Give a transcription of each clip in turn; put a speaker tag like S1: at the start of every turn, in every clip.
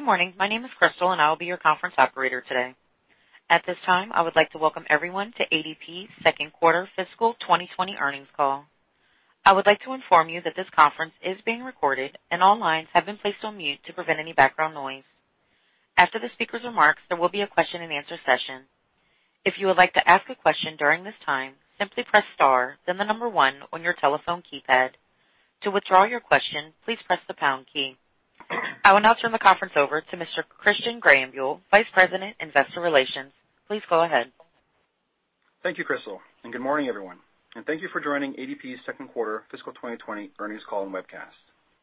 S1: Good morning. My name is Crystal. I will be your conference operator today. At this time, I would like to welcome everyone to ADP's second quarter fiscal 2020 earnings call. I would like to inform you that this conference is being recorded. All lines have been placed on mute to prevent any background noise. After the speaker's remarks, there will be a question and answer session. If you would like to ask a question during this time, simply press star then the number one on your telephone keypad. To withdraw your question, please press the pound key. I will now turn the conference over to Mr. Christian Greyenbuhl, Vice President, Investor Relations. Please go ahead.
S2: Thank you, Crystal, good morning, everyone. Thank you for joining ADP's second quarter fiscal 2020 earnings call and webcast.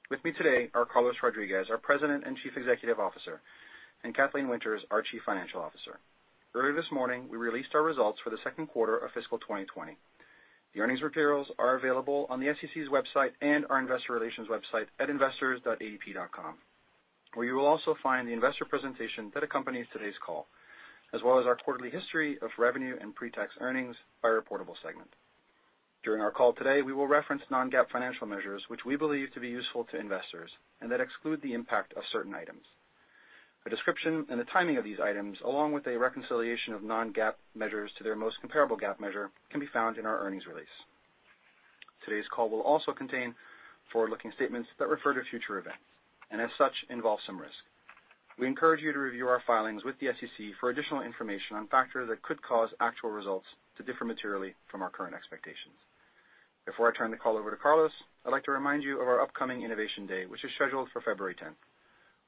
S2: With me today are Carlos Rodriguez, our President and Chief Executive Officer, and Kathleen Winters, our Chief Financial Officer. Earlier this morning, we released our results for the second quarter of fiscal 2020. The earnings materials are available on the SEC's website and our investor relations website at investors.adp.com, where you will also find the investor presentation that accompanies today's call, as well as our quarterly history of revenue and pre-tax earnings by reportable segment. During our call today, we will reference non-GAAP financial measures which we believe to be useful to investors and that exclude the impact of certain items. A description and the timing of these items, along with a reconciliation of non-GAAP measures to their most comparable GAAP measure, can be found in our earnings release. Today's call will also contain forward-looking statements that refer to future events, and as such, involve some risk. We encourage you to review our filings with the SEC for additional information on factors that could cause actual results to differ materially from our current expectations. Before I turn the call over to Carlos, I'd like to remind you of our upcoming Innovation Day, which is scheduled for February 10th.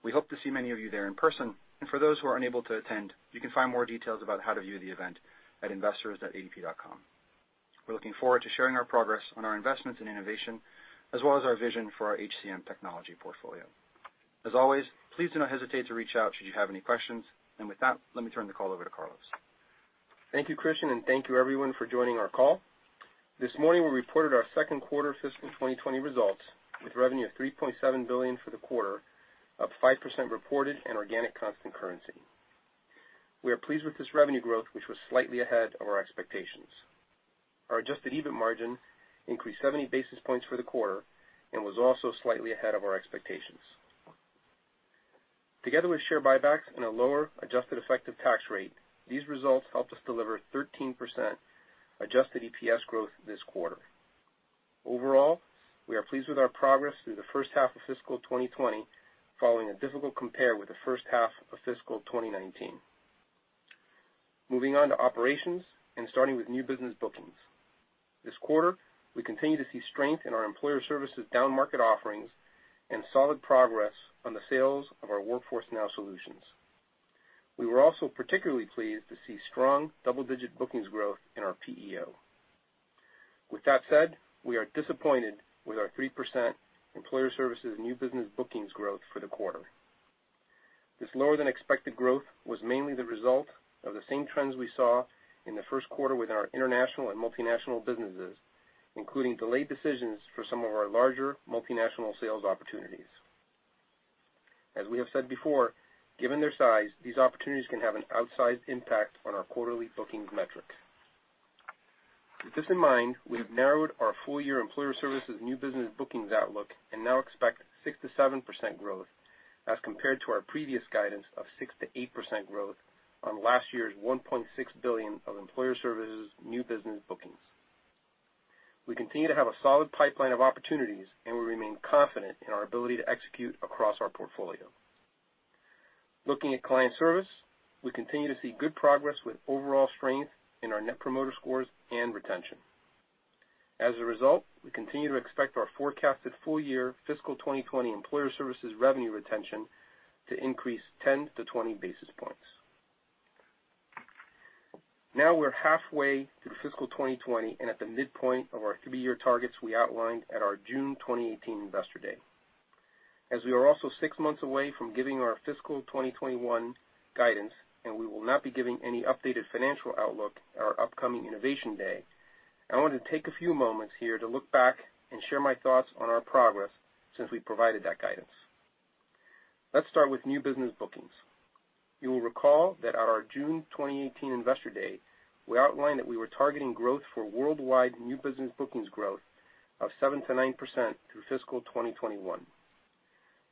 S2: We hope to see many of you there in person, and for those who are unable to attend, you can find more details about how to view the event at investors.adp.com. We're looking forward to sharing our progress on our investments in innovation, as well as our vision for our HCM technology portfolio. As always, please do not hesitate to reach out should you have any questions. With that, let me turn the call over to Carlos.
S3: Thank you, Christian, thank you everyone for joining our call. This morning, we reported our second quarter fiscal 2020 results with revenue of $3.7 billion for the quarter, up 5% reported in organic constant currency. We are pleased with this revenue growth, which was slightly ahead of our expectations. Our adjusted EBIT margin increased 70 basis points for the quarter and was also slightly ahead of our expectations. Together with share buybacks and a lower adjusted effective tax rate, these results helped us deliver 13% adjusted EPS growth this quarter. Overall, we are pleased with our progress through the first half of fiscal 2020, following a difficult compare with the first half of fiscal 2019. Moving on to operations, starting with new business bookings. This quarter, we continue to see strength in our Employer Services down-market offerings and solid progress on the sales of our Workforce Now solutions. We were also particularly pleased to see strong double-digit bookings growth in our PEO. With that said, we are disappointed with our 3% Employer Services new business bookings growth for the quarter. This lower than expected growth was mainly the result of the same trends we saw in the first quarter with our international and multinational businesses, including delayed decisions for some of our larger multinational sales opportunities. As we have said before, given their size, these opportunities can have an outsized impact on our quarterly bookings metric. With this in mind, we have narrowed our full-year Employer Services new business bookings outlook and now expect 6%-7% growth as compared to our previous guidance of 6%-8% growth on last year's $1.6 billion of Employer Services new business bookings. We continue to have a solid pipeline of opportunities, and we remain confident in our ability to execute across our portfolio. Looking at client service, we continue to see good progress with overall strength in our Net Promoter Scores and retention. As a result, we continue to expect our forecasted full-year fiscal 2020 Employer Services revenue retention to increase 10-20 basis points. Now we're halfway through fiscal 2020 and at the midpoint of our three-year targets we outlined at our June 2018 Investor Day. As we are also six months away from giving our fiscal 2021 guidance, and we will not be giving any updated financial outlook at our upcoming Innovation Day, I want to take a few moments here to look back and share my thoughts on our progress since we provided that guidance. Let's start with new business bookings. You will recall that at our June 2018 Investor Day, we outlined that we were targeting growth for worldwide new business bookings growth of 7%-9% through fiscal 2021.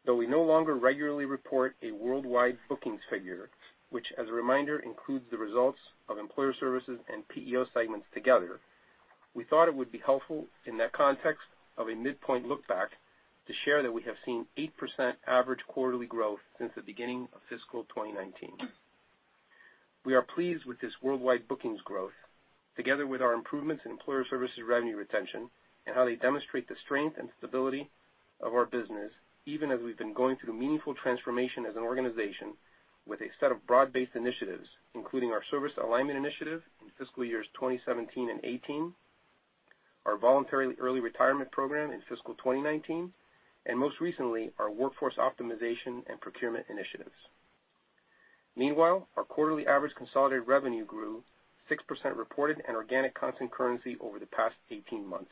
S3: We no longer regularly report a worldwide bookings figure, which, as a reminder, includes the results of Employer Services and PEO segments together, we thought it would be helpful in that context of a midpoint look back to share that we have seen 8% average quarterly growth since the beginning of fiscal 2019. We are pleased with this worldwide bookings growth, together with our improvements in Employer Services revenue retention, and how they demonstrate the strength and stability of our business, even as we've been going through meaningful transformation as an organization with a set of broad-based initiatives, including our service alignment initiative in fiscal years 2017 and 2018, our voluntary early retirement program in fiscal 2019, and most recently, our workforce optimization and procurement initiatives. Meanwhile, our quarterly average consolidated revenue grew 6% reported in organic constant currency over the past 18 months.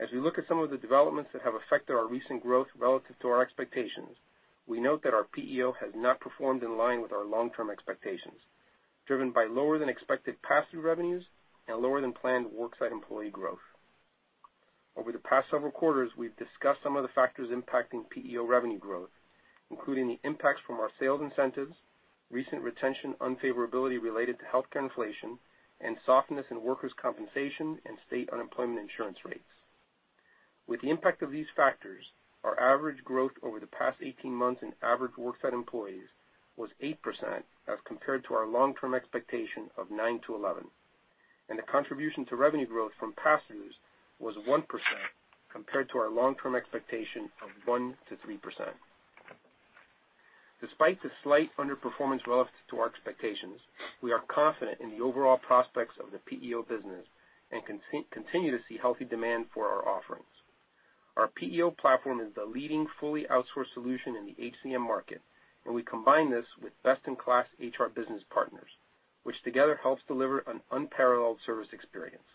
S3: As we look at some of the developments that have affected our recent growth relative to our expectations, we note that our PEO has not performed in line with our long-term expectations. Driven by lower than expected pass-through revenues and lower than planned worksite employee growth. Over the past several quarters, we've discussed some of the factors impacting PEO revenue growth, including the impacts from our sales incentives, recent retention unfavorability related to healthcare inflation, and softness in workers' compensation and State Unemployment Insurance rates. With the impact of these factors, our average growth over the past 18 months in average worksite employees was 8% as compared to our long-term expectation of 9%-11%. The contribution to revenue growth from pass-throughs was 1% compared to our long-term expectation of 1%-3%. Despite the slight underperformance relative to our expectations, we are confident in the overall prospects of the PEO business and continue to see healthy demand for our offerings. Our PEO platform is the leading fully outsourced solution in the HCM market, and we combine this with best-in-class HR business partners, which together helps deliver an unparalleled service experience.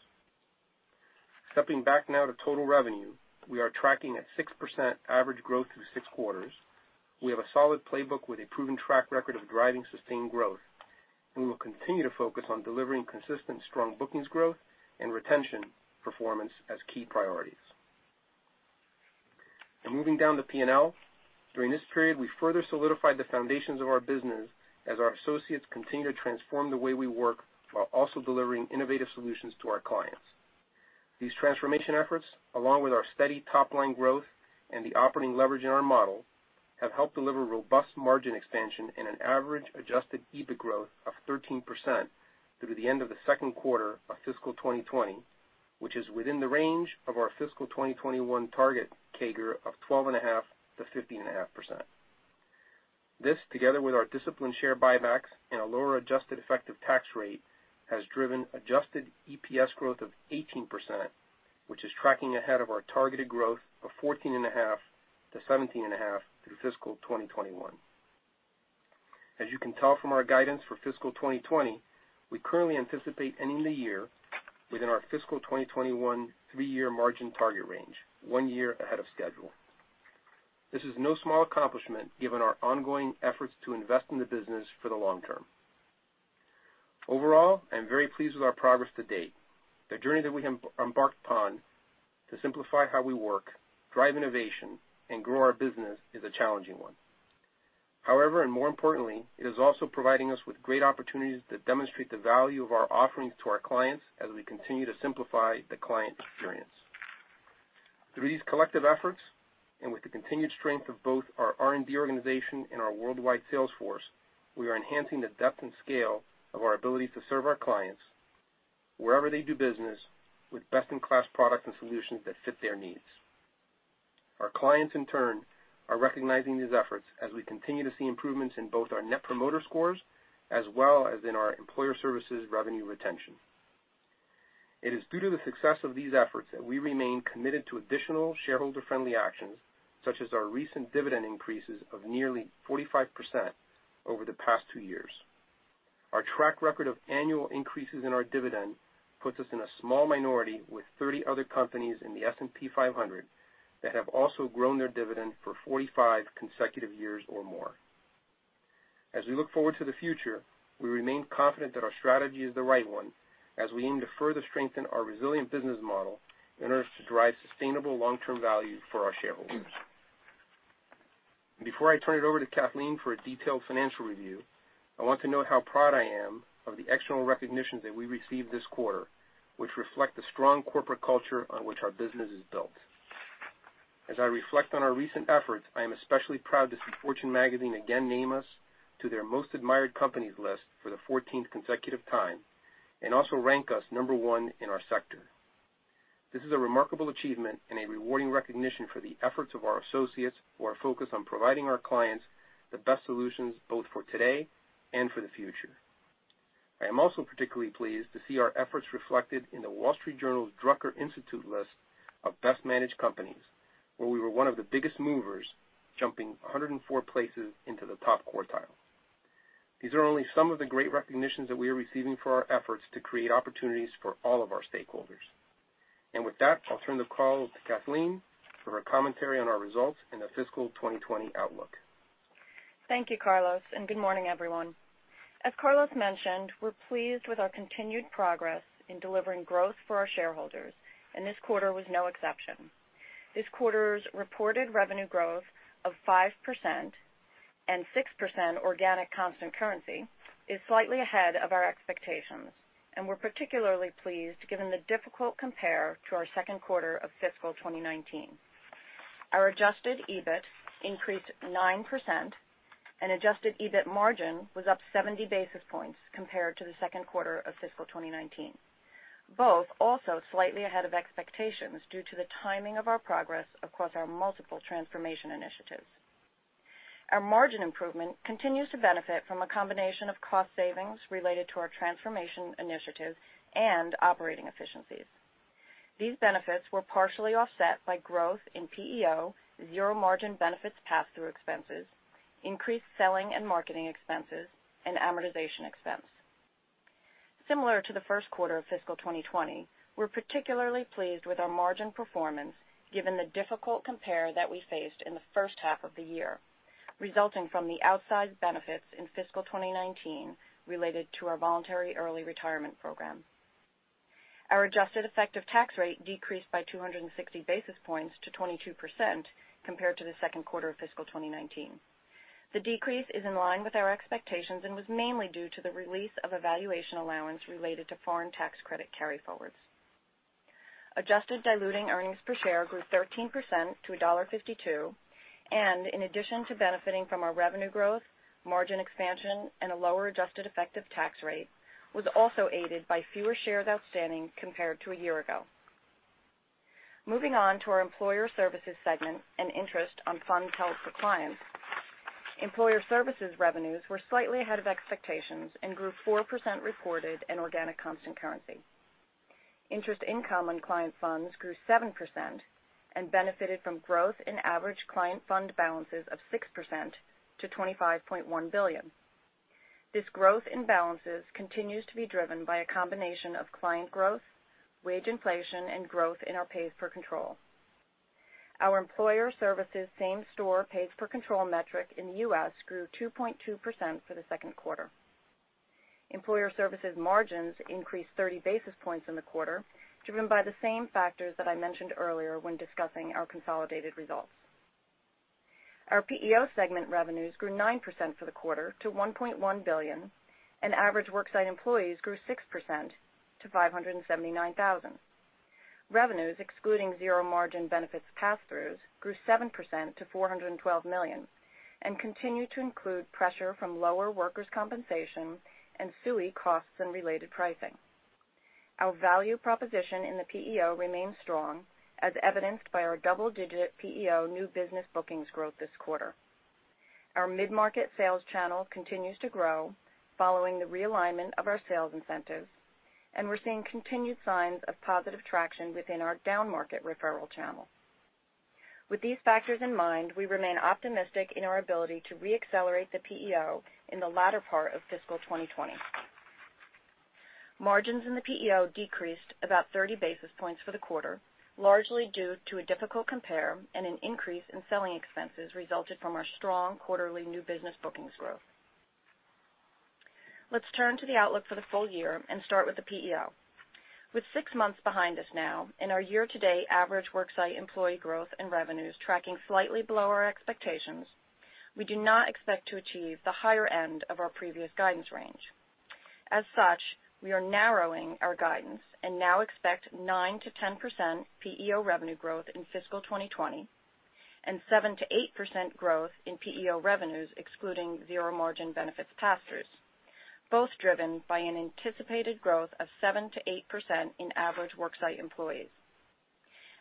S3: Stepping back now to total revenue, we are tracking at 6% average growth through six quarters. We have a solid playbook with a proven track record of driving sustained growth. We will continue to focus on delivering consistent strong bookings growth and retention performance as key priorities. Moving down to P&L. During this period, we further solidified the foundations of our business as our associates continue to transform the way we work while also delivering innovative solutions to our clients. These transformation efforts, along with our steady top-line growth and the operating leverage in our model, have helped deliver robust margin expansion and an average adjusted EBIT growth of 13% through the end of the second quarter of fiscal 2020, which is within the range of our fiscal 2021 target CAGR of 12.5%-15.5%. This, together with our disciplined share buybacks and a lower adjusted effective tax rate, has driven adjusted EPS growth of 18%, which is tracking ahead of our targeted growth of 14.5%-17.5% through fiscal 2021. As you can tell from our guidance for fiscal 2020, we currently anticipate ending the year within our fiscal 2021 three year margin target range, one year ahead of schedule. This is no small accomplishment given our ongoing efforts to invest in the business for the long term. Overall, I'm very pleased with our progress to date. The journey that we have embarked upon to simplify how we work, drive innovation, and grow our business is a challenging one. However, and more importantly, it is also providing us with great opportunities that demonstrate the value of our offerings to our clients as we continue to simplify the client experience. Through these collective efforts, and with the continued strength of both our R&D organization and our worldwide sales force, we are enhancing the depth and scale of our ability to serve our clients wherever they do business with best-in-class products and solutions that fit their needs. Our clients, in turn, are recognizing these efforts as we continue to see improvements in both our Net Promoter Scores as well as in our Employer Services revenue retention. It is due to the success of these efforts that we remain committed to additional shareholder-friendly actions, such as our recent dividend increases of nearly 45% over the past two years. Our track record of annual increases in our dividend puts us in a small minority with 30 other companies in the S&P 500 that have also grown their dividend for 45 consecutive years or more. As we look forward to the future, we remain confident that our strategy is the right one as we aim to further strengthen our resilient business model in order to drive sustainable long-term value for our shareholders. Before I turn it over to Kathleen for a detailed financial review, I want you to know how proud I am of the external recognitions that we received this quarter, which reflect the strong corporate culture on which our business is built. As I reflect on our recent efforts, I am especially proud to see Fortune magazine again name us to their Most Admired Companies list for the 14th consecutive time, and also rank us number one in our sector. This is a remarkable achievement and a rewarding recognition for the efforts of our associates who are focused on providing our clients the best solutions both for today and for the future. I am also particularly pleased to see our efforts reflected in The Wall Street Journal's Drucker Institute list of Best Managed Companies, where we were one of the biggest movers, jumping 104 places into the top quartile. These are only some of the great recognitions that we are receiving for our efforts to create opportunities for all of our stakeholders. With that, I'll turn the call over to Kathleen for her commentary on our results and the fiscal 2020 outlook.
S4: Thank you, Carlos, and good morning, everyone. As Carlos mentioned, we're pleased with our continued progress in delivering growth for our shareholders, and this quarter was no exception. This quarter's reported revenue growth of 5% and 6% organic constant currency is slightly ahead of our expectations. We're particularly pleased given the difficult compare to our second quarter of fiscal 2019. Our adjusted EBIT increased 9%, and adjusted EBIT margin was up 70 basis points compared to the second quarter of fiscal 2019. Both also slightly ahead of expectations due to the timing of our progress across our multiple transformation initiatives. Our margin improvement continues to benefit from a combination of cost savings related to our transformation initiatives and operating efficiencies. These benefits were partially offset by growth in PEO, zero-margin benefits pass-through expenses, increased selling and marketing expenses, and amortization expense. Similar to the first quarter of fiscal 2020, we're particularly pleased with our margin performance given the difficult compare that we faced in the first half of the year, resulting from the outsized benefits in fiscal 2019 related to our voluntary early retirement program. Our adjusted effective tax rate decreased by 260 basis points to 22% compared to the second quarter of fiscal 2019. The decrease is in line with our expectations and was mainly due to the release of a valuation allowance related to foreign tax credit carryforwards. Adjusted diluting earnings per share grew 13% to $1.52, and in addition to benefiting from our revenue growth, margin expansion, and a lower adjusted effective tax rate, was also aided by fewer shares outstanding compared to a year ago. Moving on to our Employer Services segment and interest on funds held for clients. Employer Services revenues were slightly ahead of expectations and grew 4% reported in organic constant currency. Interest income on client funds grew 7% and benefited from growth in average client fund balances of 6% to $25.1 billion. This growth in balances continues to be driven by a combination of client growth, wage inflation, and growth in our paid per control. Our Employer Services same store paid per control metric in the U.S. grew 2.2% for the second quarter. Employer Services margins increased 30 basis points in the quarter, driven by the same factors that I mentioned earlier when discussing our consolidated results. Our PEO segment revenues grew 9% for the quarter to $1.1 billion, and average worksite employees grew 6% to 579,000. Revenues excluding zero-margin benefits pass-throughs grew 7% to $412 million and continue to include pressure from lower workers' compensation and SUI costs and related pricing. Our value proposition in the PEO remains strong, as evidenced by our double-digit PEO new business bookings growth this quarter. Our mid-market sales channel continues to grow following the realignment of our sales incentives, and we're seeing continued signs of positive traction within our downmarket referral channel. With these factors in mind, we remain optimistic in our ability to re-accelerate the PEO in the latter part of fiscal 2020. Margins in the PEO decreased about 30 basis points for the quarter, largely due to a difficult compare and an increase in selling expenses resulted from our strong quarterly new business bookings growth. Let's turn to the outlook for the full year and start with the PEO. With six months behind us now and our year-to-date average worksite employee growth and revenues tracking slightly below our expectations, we do not expect to achieve the higher end of our previous guidance range. As such, we are narrowing our guidance and now expect 9%-10% PEO revenue growth in fiscal 2020, and 7%-8% growth in PEO revenues excluding zero-margin benefits pass-throughs, both driven by an anticipated growth of 7%-8% in average worksite employees.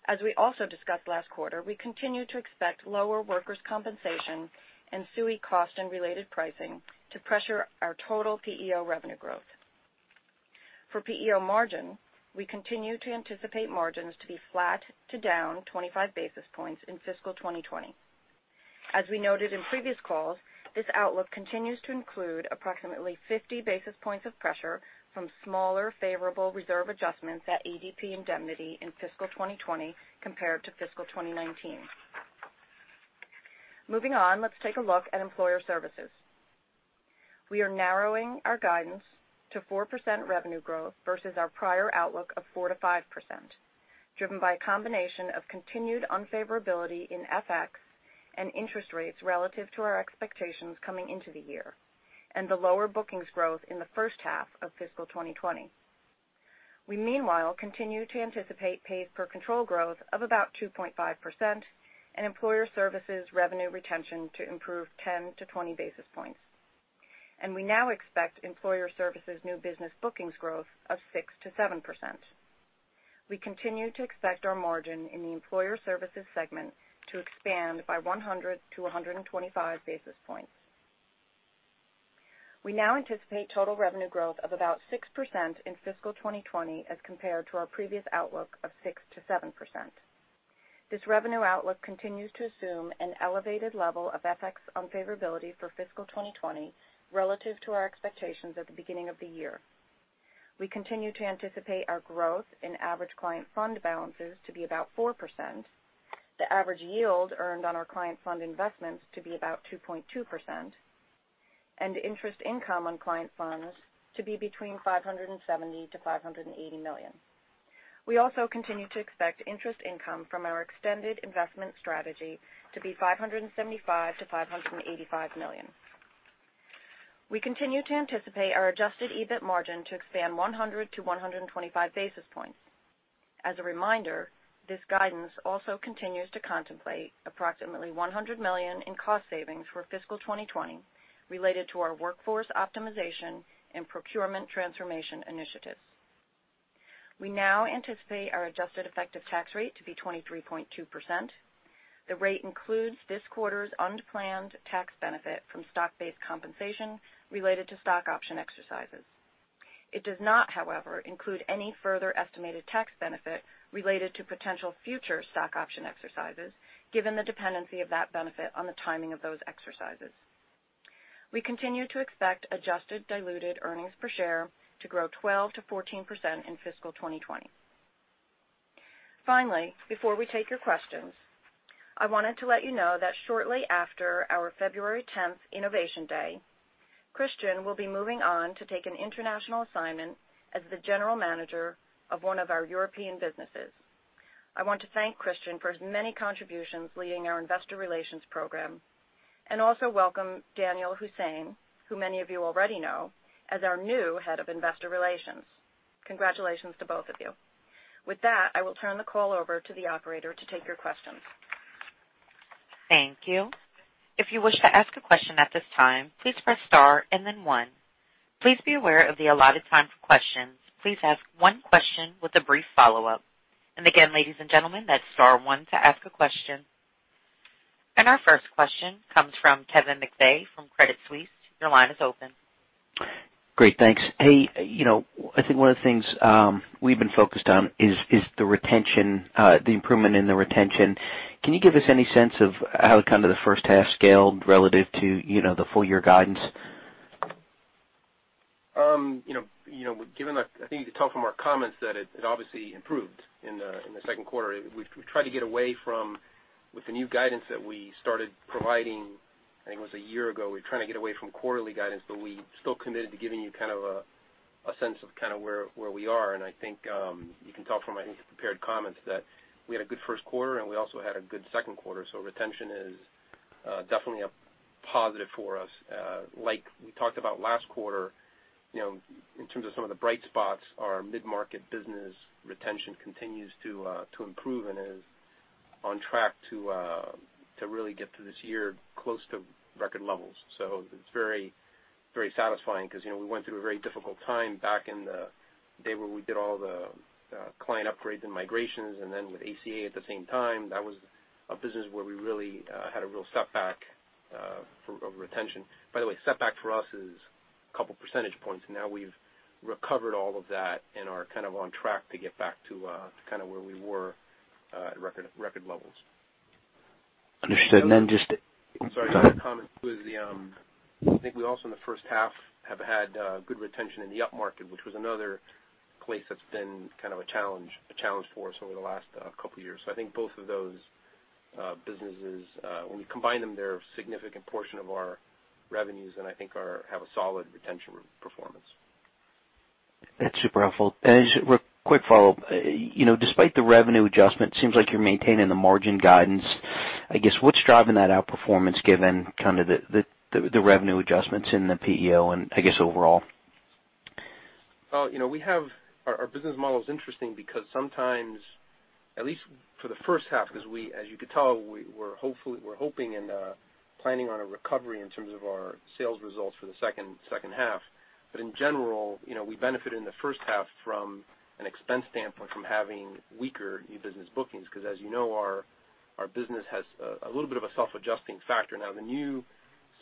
S4: As we also discussed last quarter, we continue to expect lower workers' compensation and SUI cost and related pricing to pressure our total PEO revenue growth. For PEO margin, we continue to anticipate margins to be flat to down 25 basis points in fiscal 2020. As we noted in previous calls, this outlook continues to include approximately 50 basis points of pressure from smaller favorable reserve adjustments at ADP Indemnity in fiscal 2020 compared to fiscal 2019. Moving on, let's take a look at Employer Services. We are narrowing our guidance to 4% revenue growth versus our prior outlook of 4%-5%, driven by a combination of continued unfavorability in FX and interest rates relative to our expectations coming into the year, and the lower bookings growth in the first half of fiscal 2020. We meanwhile continue to anticipate paid per control growth of about 2.5% and Employer Services revenue retention to improve 10-20 basis points. We now expect Employer Services new business bookings growth of 6%-7%. We continue to expect our margin in the Employer Services segment to expand by 100-125 basis points. We now anticipate total revenue growth of about 6% in fiscal 2020 as compared to our previous outlook of 6%-7%. This revenue outlook continues to assume an elevated level of FX unfavorability for fiscal 2020 relative to our expectations at the beginning of the year. We continue to anticipate our growth in average client fund balances to be about 4%, the average yield earned on our client fund investments to be about 2.2%, and interest income on client funds to be between $570 million-$580 million. We also continue to expect interest income from our extended investment strategy to be $575 million-$585 million. We continue to anticipate our adjusted EBIT margin to expand 100-125 basis points. As a reminder, this guidance also continues to contemplate approximately $100 million in cost savings for fiscal 2020 related to our workforce optimization and procurement transformation initiatives. We now anticipate our adjusted effective tax rate to be 23.2%. The rate includes this quarter's unplanned tax benefit from stock-based compensation related to stock option exercises. It does not, however, include any further estimated tax benefit related to potential future stock option exercises, given the dependency of that benefit on the timing of those exercises. We continue to expect adjusted diluted earnings per share to grow 12%-14% in fiscal 2020. Finally, before we take your questions, I wanted to let you know that shortly after our February 10th Innovation Day, Christian will be moving on to take an international assignment as the general manager of one of our European businesses. I want to thank Christian for his many contributions leading our investor relations program, and also welcome Daniel Hussain, who many of you already know, as our new head of investor relations. Congratulations to both of you. With that, I will turn the call over to the operator to take your questions.
S1: Thank you. If you wish to ask a question at this time, please press star and then one. Please be aware of the allotted time for questions. Please ask one question with a brief follow-up. Again, ladies and gentlemen, that's star one to ask a question. Our first question comes from Kevin McVeigh from Credit Suisse. Your line is open.
S5: Great. Thanks. Hey, I think one of the things we've been focused on is the improvement in the retention. Can you give us any sense of how the first half scaled relative to the full-year guidance?
S3: Given that, I think you could tell from our comments that it obviously improved in the second quarter. With the new guidance that we started providing, I think it was a year ago, we're trying to get away from quarterly guidance, but we still committed to giving you a sense of where we are. I think you can tell from my prepared comments that we had a good first quarter, and we also had a good second quarter. Retention is definitely a positive for us. Like we talked about last quarter, in terms of some of the bright spots, our mid-market business retention continues to improve and is on track to really get to this year close to record levels. It's very satisfying because we went through a very difficult time back in the day where we did all the client upgrades and migrations, and then with ACA at the same time. That was a business where we really had a real setback of retention. By the way, setback for us is a couple percentage points, and now we've recovered all of that and are on track to get back to where we were at record levels.
S5: Understood.
S3: Sorry, the other comment was, I think we also in the first half have had good retention in the upmarket, which was another place that's been a challenge for us over the last couple of years. I think both of those businesses, when we combine them, they're a significant portion of our revenues, and I think have a solid retention performance.
S5: That's super helpful. Just a quick follow-up. Despite the revenue adjustment, seems like you're maintaining the margin guidance. I guess, what's driving that outperformance given the revenue adjustments in the PEO and, I guess, overall?
S3: Our business model is interesting because sometimes, at least for the first half, because as you could tell, we're hoping and planning on a recovery in terms of our sales results for the second half. In general, we benefit in the first half from an expense standpoint from having weaker e-business bookings, because as you know, our business has a little bit of a self-adjusting factor. The new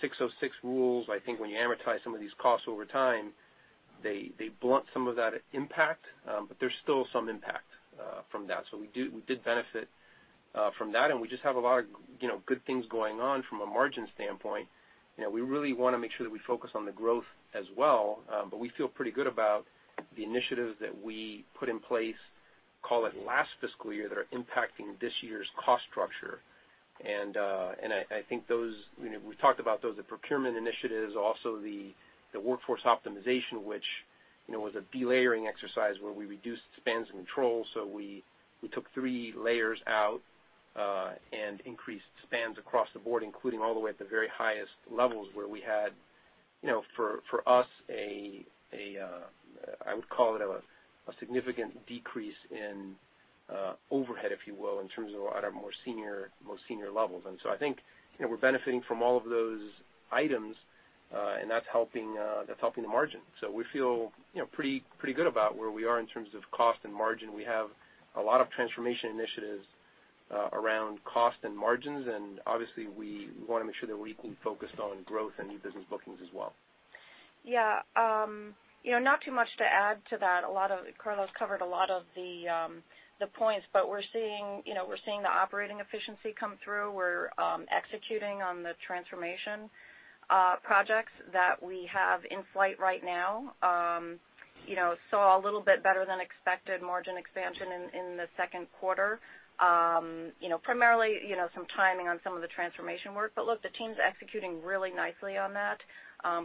S3: 606 rules, I think when you amortize some of these costs over time, they blunt some of that impact, but there's still some impact from that. We did benefit from that, and we just have a lot of good things going on from a margin standpoint. We really want to make sure that we focus on the growth as well, but we feel pretty good about the initiatives that we put in place, call it last fiscal year, that are impacting this year's cost structure. I think we talked about those, the procurement initiatives, also the workforce optimization, which was a delayering exercise where we reduced spans and control. We took three layers out, and increased spans across the board, including all the way at the very highest levels, where we had for us, I would call it a significant decrease in overhead, if you will, in terms of at our most senior levels. I think we're benefiting from all of those items, and that's helping the margin. We feel pretty good about where we are in terms of cost and margin. We have a lot of transformation initiatives around cost and margins, and obviously, we want to make sure that we keep focused on growth and new business bookings as well.
S4: Yeah. Not too much to add to that. Carlos covered a lot of the points. We're seeing the operating efficiency come through. We're executing on the transformation projects that we have in flight right now. Saw a little bit better than expected margin expansion in the second quarter. Primarily, some timing on some of the transformation work. Look, the team's executing really nicely on that,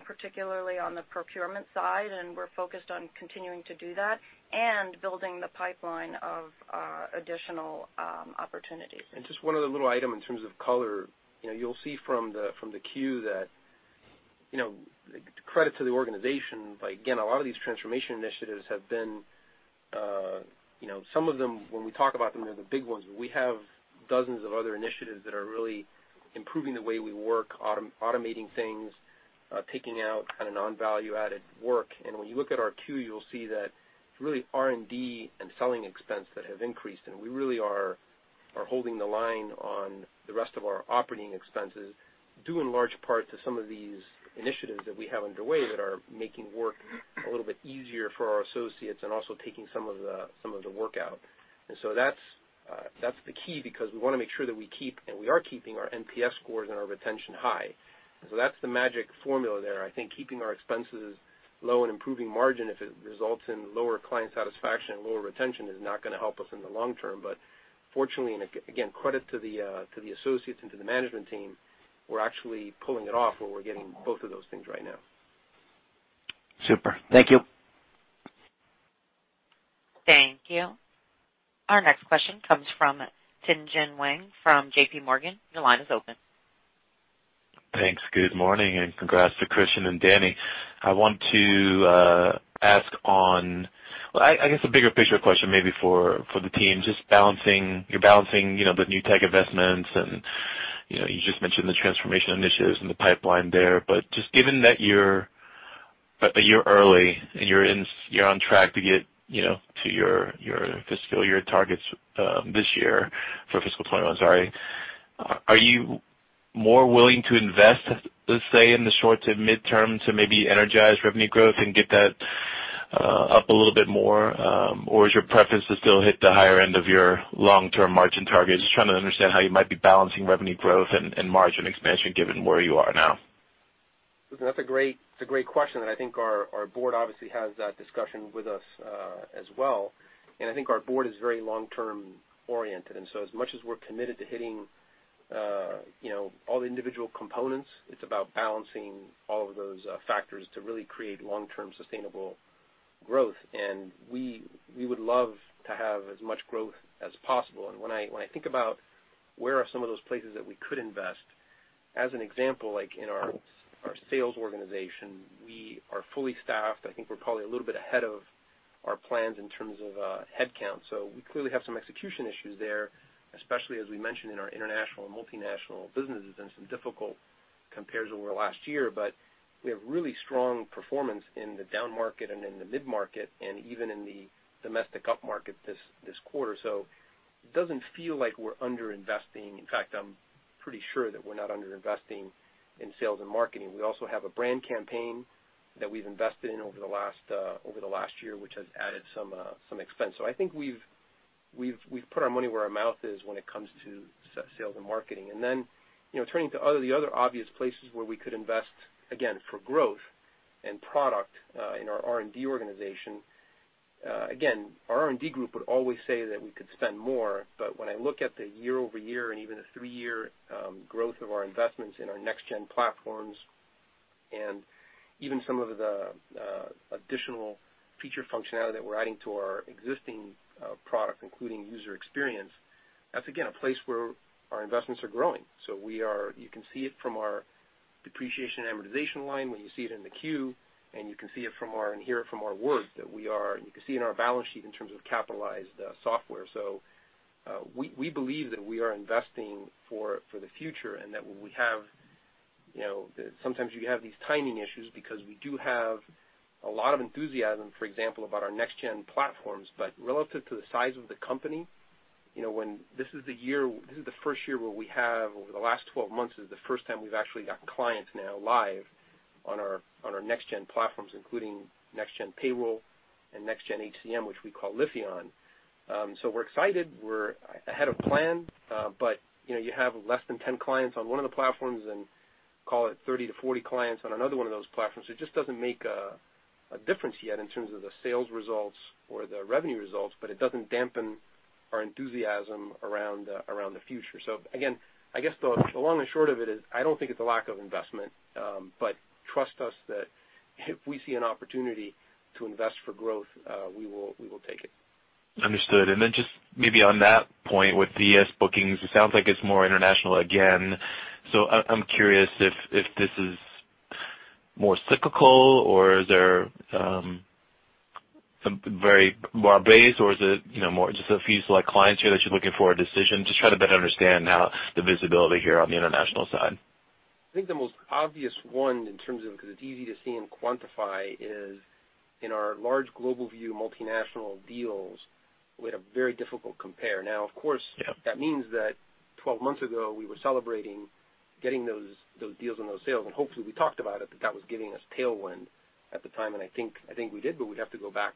S4: particularly on the procurement side, and we're focused on continuing to do that and building the pipeline of additional opportunities.
S3: Just one other little item in terms of color. You'll see from the queue that credit to the organization, again, a lot of these transformation initiatives have been, some of them, when we talk about them, they're the big ones. We have dozens of other initiatives that are really improving the way we work, automating things, taking out non-value-added work. When you look at our queue, you'll see that it's really R&D and selling expense that have increased, and we really are holding the line on the rest of our operating expenses due in large part to some of these initiatives that we have underway that are making work a little bit easier for our associates and also taking some of the work out. That's the key because we want to make sure that we keep, and we are keeping our NPS scores and our retention high. That's the magic formula there. I think keeping our expenses low and improving margin, if it results in lower client satisfaction and lower retention, is not going to help us in the long term. Fortunately, and again, credit to the associates and to the management team, we're actually pulling it off where we're getting both of those things right now.
S5: Super. Thank you.
S1: Thank you. Our next question comes from Tien-Tsin Huang from JPMorgan. Your line is open.
S6: Thanks. Good morning. Congrats to Christian and Danny. I want to ask, I guess, a bigger picture question maybe for the team. You're balancing the new tech investments, and you just mentioned the transformation initiatives and the pipeline there. Just given that you're a year early and you're on track to get to your fiscal year targets this year for FY 2021, sorry, are you more willing to invest, let's say, in the short to midterm to maybe energize revenue growth and get that up a little bit more? Is your preference to still hit the higher end of your long-term margin targets? Just trying to understand how you might be balancing revenue growth and margin expansion given where you are now.
S3: Listen, that's a great question, I think our board obviously has that discussion with us as well. I think our board is very long-term oriented. As much as we're committed to hitting all the individual components, it's about balancing all of those factors to really create long-term sustainable growth. We would love to have as much growth as possible. When I think about where are some of those places that we could invest, as an example, like in our sales organization, we are fully staffed. I think we're probably a little bit ahead of our plans in terms of headcount. So we clearly have some execution issues there, especially as we mentioned in our international and multinational businesses and some difficult compares over the last year. We have really strong performance in the down market and in the mid-market, and even in the domestic upmarket this quarter. It doesn't feel like we're under-investing. In fact, I'm pretty sure that we're not under-investing in sales and marketing. We also have a brand campaign that we've invested in over the last year, which has added some expense. I think we've put our money where our mouth is when it comes to sales and marketing. Turning to the other obvious places where we could invest, again, for growth and product, in our R&D organization. Our R&D group would always say that we could spend more, but when I look at the year-over-year and even the three-year growth of our investments in our next-gen platforms, and even some of the additional feature functionality that we're adding to our existing product, including user experience, that's again, a place where our investments are growing. You can see it from our depreciation and amortization line when you see it in the Q, and you can see it from our, and hear it from our words. You can see in our balance sheet in terms of capitalized software. We believe that we are investing for the future, and that sometimes you have these timing issues because we do have a lot of enthusiasm, for example, about our next-gen platforms. Relative to the size of the company, this is the first year where we have, over the last 12 months, this the first time we've actually got clients now live on our next-gen platforms, including next-gen payroll and next-gen HCM, which we call Lifion. We're excited. We're ahead of plan. You have less than 10 clients on one of the platforms and call it 30-40 clients on another one of those platforms. It just doesn't make a difference yet in terms of the sales results or the revenue results, but it doesn't dampen our enthusiasm around the future. Again, I guess the long and short of it is I don't think it's a lack of investment. Trust us that if we see an opportunity to invest for growth, we will take it.
S6: Understood. Just maybe on that point with DS bookings, it sounds like it's more international again. I'm curious if this is more cyclical or is there some very broad base, or is it more just a few select clients here that you're looking for a decision? Just trying to better understand now the visibility here on the international side.
S3: I think the most obvious one in terms of, because it's easy to see and quantify, is in our large GlobalView multinational deals with a very difficult compare.
S6: Yep
S3: that means that 12 months ago, we were celebrating getting those deals and those sales, and hopefully we talked about it, that that was giving us tailwind at the time. I think we did, but we'd have to go back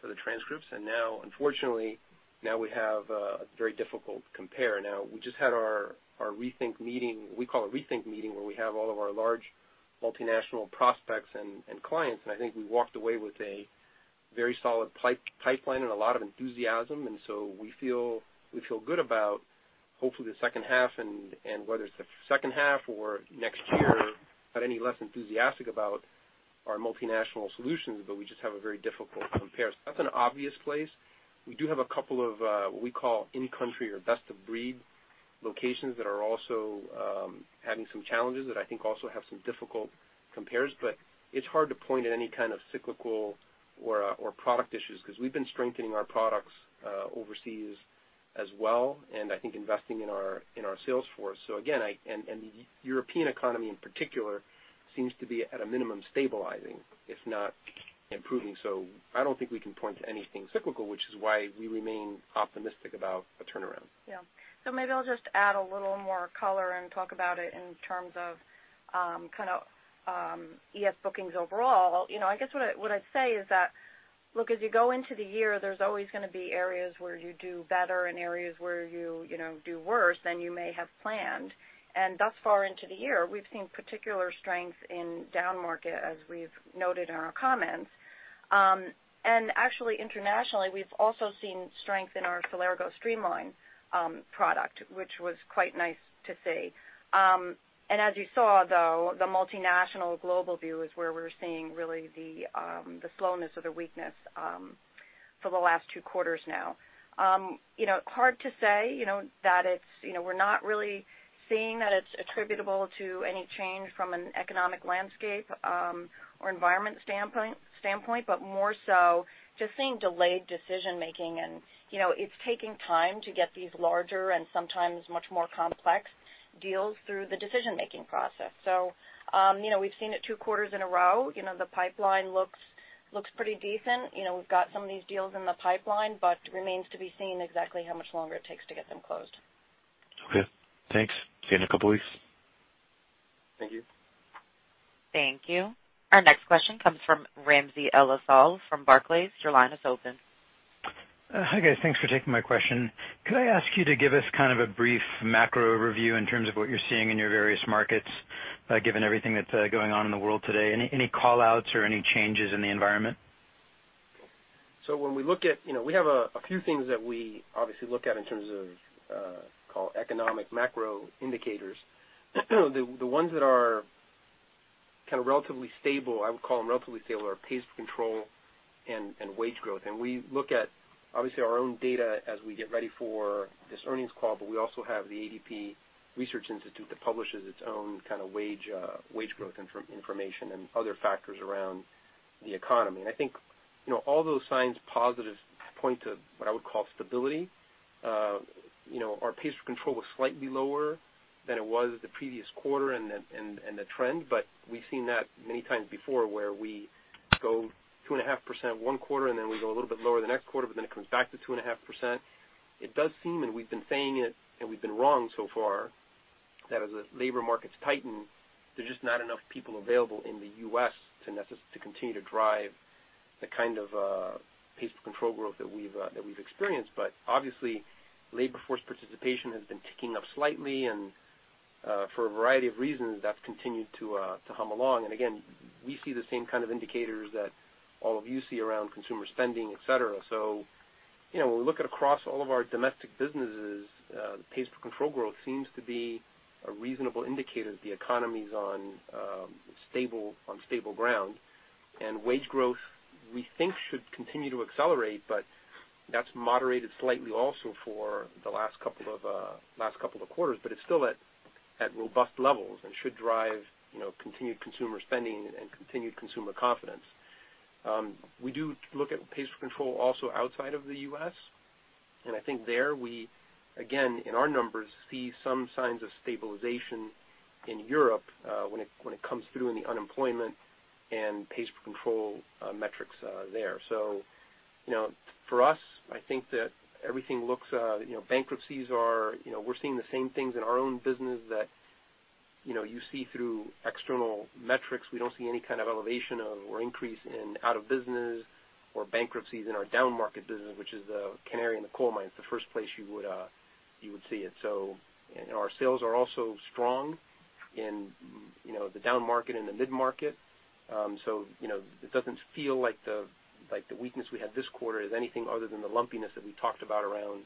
S3: for the transcripts. Now, unfortunately, now we have a very difficult compare. Now, we just had our ReThink meeting. We call it ReThink meeting, where we have all of our large multinational prospects and clients, and I think we walked away with a very solid pipeline and a lot of enthusiasm. We feel good about hopefully the second half, and whether it's the second half or next year, not any less enthusiastic about our multinational solutions, but we just have a very difficult compare. That's an obvious place. We do have a couple of, what we call in-country or best of breed locations that are also having some challenges that I think also have some difficult compares. It's hard to point at any kind of cyclical or product issues because we've been strengthening our products overseas as well. I think investing in our sales force. Again, the European economy in particular seems to be at a minimum stabilizing, if not improving. I don't think we can point to anything cyclical, which is why we remain optimistic about a turnaround.
S4: Maybe I'll just add a little more color and talk about it in terms of ES bookings overall. I guess what I'd say is that, look, as you go into the year, there's always going to be areas where you do better and areas where you do worse than you may have planned. Thus far into the year, we've seen particular strength in down market as we've noted in our comments. Actually internationally, we've also seen strength in our Celergo Streamline product, which was quite nice to see. As you saw, though, the multinational GlobalView is where we're seeing really the slowness or the weakness. For the last two quarters now. Hard to say. We're not really seeing that it's attributable to any change from an economic landscape, or environment standpoint, but more so just seeing delayed decision making, and it's taking time to get these larger and sometimes much more complex deals through the decision-making process. We've seen it two quarters in a row. The pipeline looks pretty decent. We've got some of these deals in the pipeline, but remains to be seen exactly how much longer it takes to get them closed.
S6: Okay, thanks. See you in a couple of weeks.
S3: Thank you.
S1: Thank you. Our next question comes from Ramsey El-Assal from Barclays. Your line is open.
S7: Hi, guys. Thanks for taking my question. Could I ask you to give us kind of a brief macro review in terms of what you're seeing in your various markets, given everything that's going on in the world today, any call-outs or any changes in the environment?
S3: When we have a few things that we obviously look at in terms of call economic macro indicators. The ones that are kind of relatively stable, I would call them relatively stable, are paced control and wage growth. We look at, obviously, our own data as we get ready for this earnings call, but we also have the ADP Research Institute that publishes its own kind of wage growth information and other factors around the economy. I think all those signs positive point to what I would call stability. Our pace of control was slightly lower than it was the previous quarter and the trend, but we've seen that many times before where we go 2.5% one quarter, and then we go a little bit lower the next quarter, but then it comes back to 2.5%. It does seem, and we've been saying it, and we've been wrong so far, that as the labor markets tighten, there's just not enough people available in the U.S. to continue to drive the kind of paced control growth that we've experienced. Obviously, labor force participation has been ticking up slightly, and for a variety of reasons, that's continued to hum along. Again, we see the same kind of indicators that all of you see around consumer spending, et cetera. When we look at across all of our domestic businesses, paced control growth seems to be a reasonable indicator that the economy's on stable ground. Wage growth, we think should continue to accelerate, but that's moderated slightly also for the last couple of quarters, but it's still at robust levels and should drive continued consumer spending and continued consumer confidence. We do look at payroll also outside of the U.S., and I think there we, again, in our numbers, see some signs of stabilization in Europe, when it comes through in the unemployment and payroll metrics there. For us, I think that we're seeing the same things in our own business that you see through external metrics. We don't see any kind of elevation of or increase in out of business or bankruptcies in our downmarket business, which is a canary in the coal mine. It's the first place you would see it. Our sales are also strong in the downmarket and the mid-market. It doesn't feel like the weakness we had this quarter is anything other than the lumpiness that we talked about around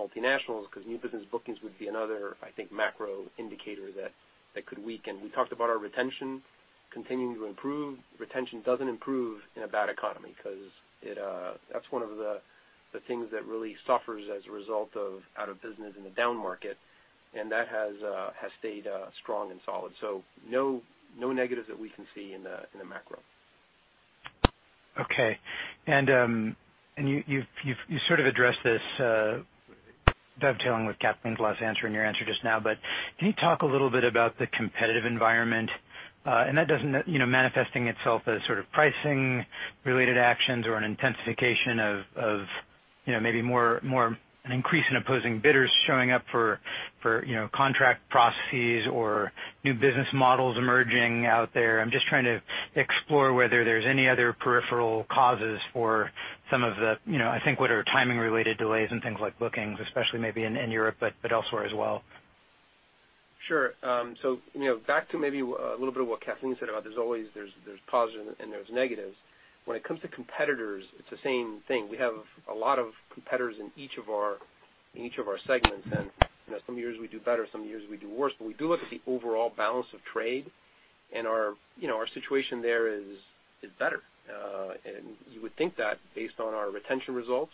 S3: multinationals because new business bookings would be another, I think, macro indicator that could weaken. We talked about our retention continuing to improve. Retention doesn't improve in a bad economy because that's one of the things that really suffers as a result of out of business in the downmarket, and that has stayed strong and solid. No negatives that we can see in the macro.
S7: Okay. You sort of addressed this, dovetailing with Kathleen's last answer and your answer just now, but can you talk a little bit about the competitive environment? That doesn't manifesting itself as sort of pricing related actions or an intensification of maybe more an increase in opposing bidders showing up for contract processes or new business models emerging out there. I'm just trying to explore whether there's any other peripheral causes for some of the, I think, what are timing related delays and things like bookings, especially maybe in Europe, but elsewhere as well.
S3: Sure. Back to maybe a little bit of what Kathleen said about there's always positives and there's negatives. When it comes to competitors, it's the same thing. We have a lot of competitors in each of our segments, and some years we do better, some years we do worse. We do look at the overall balance of trade, and our situation there is better. You would think that based on our retention results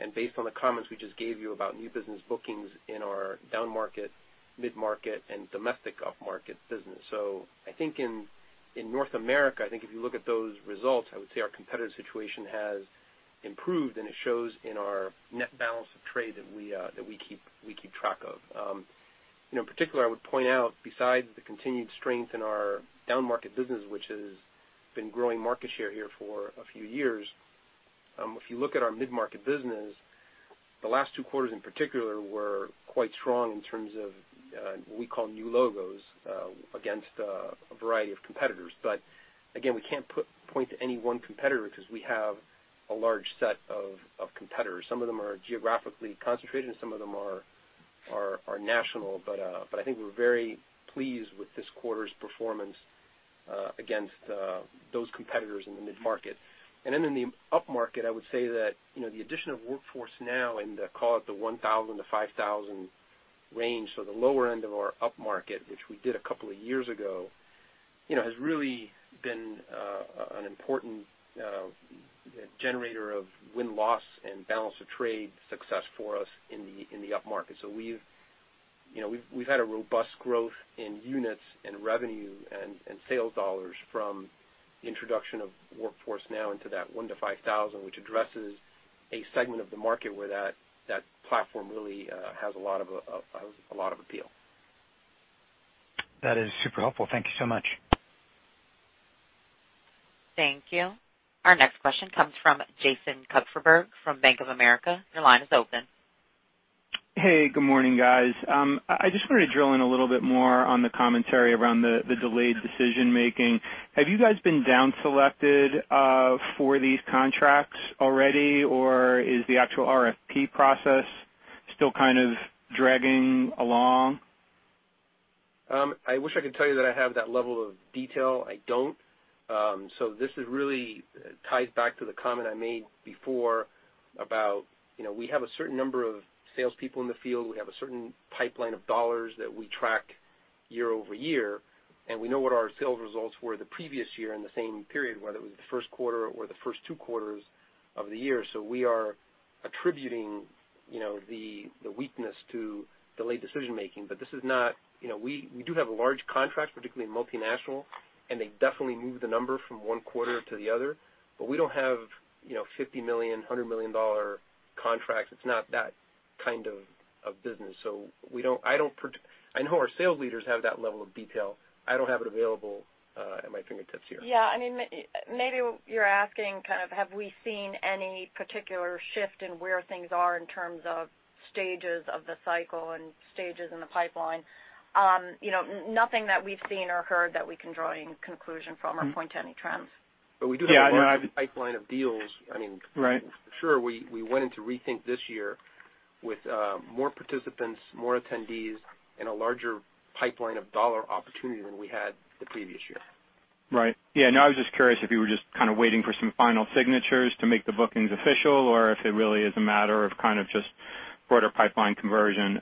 S3: and based on the comments we just gave you about new business bookings in our downmarket, mid-market, and domestic upmarket business. I think in North America, I think if you look at those results, I would say our competitor situation has improved, and it shows in our net balance of trade that we keep track of. In particular, I would point out besides the continued strength in our downmarket business, which has been growing market share here for a few years. If you look at our mid-market business, the last two quarters in particular were quite strong in terms of what we call new logos against a variety of competitors. Again, we can't point to any one competitor because we have a large set of competitors. Some of them are geographically concentrated, and some of them are national. I think we're very pleased with this quarter's performance against those competitors in the mid-market. In the upmarket, I would say that the addition of Workforce Now in the, call it the 1,000 to 5,000 range, so the lower end of our upmarket, which we did a couple of years ago, has really been an important generator of win-loss and balance of trade success for us in the upmarket. We've had a robust growth in units and revenue and sales dollars from the introduction of Workforce Now into that one to 5,000, which addresses a segment of the market where that platform really has a lot of appeal.
S7: That is super helpful. Thank you so much.
S1: Thank you. Our next question comes from Jason Kupferberg from Bank of America. Your line is open.
S8: Hey, good morning, guys. I just wanted to drill in a little bit more on the commentary around the delayed decision making. Have you guys been down-selected for these contracts already, or is the actual RFP process still kind of dragging along?
S3: I wish I could tell you that I have that level of detail. I don't. This really ties back to the comment I made before about, we have a certain number of salespeople in the field. We have a certain pipeline of dollars that we track year-over-year, and we know what our sales results were the previous year in the same period, whether it was the first quarter or the first two quarters of the year. We are attributing the weakness to delayed decision making. We do have large contracts, particularly in multinational, and they definitely move the number from one quarter to the other. We don't have $50 million, $100 million contracts. It's not that kind of business. I know our sales leaders have that level of detail. I don't have it available at my fingertips here.
S4: Yeah. Maybe you're asking have we seen any particular shift in where things are in terms of stages of the cycle and stages in the pipeline. Nothing that we've seen or heard that we can draw any conclusion from or point to any trends.
S3: We do have a large pipeline of deals.
S8: Right.
S3: Sure, we went into ReThink this year with more participants, more attendees, and a larger pipeline of dollar opportunity than we had the previous year.
S8: Right. Yeah, no, I was just curious if you were just kind of waiting for some final signatures to make the bookings official, or if it really is a matter of just broader pipeline conversion.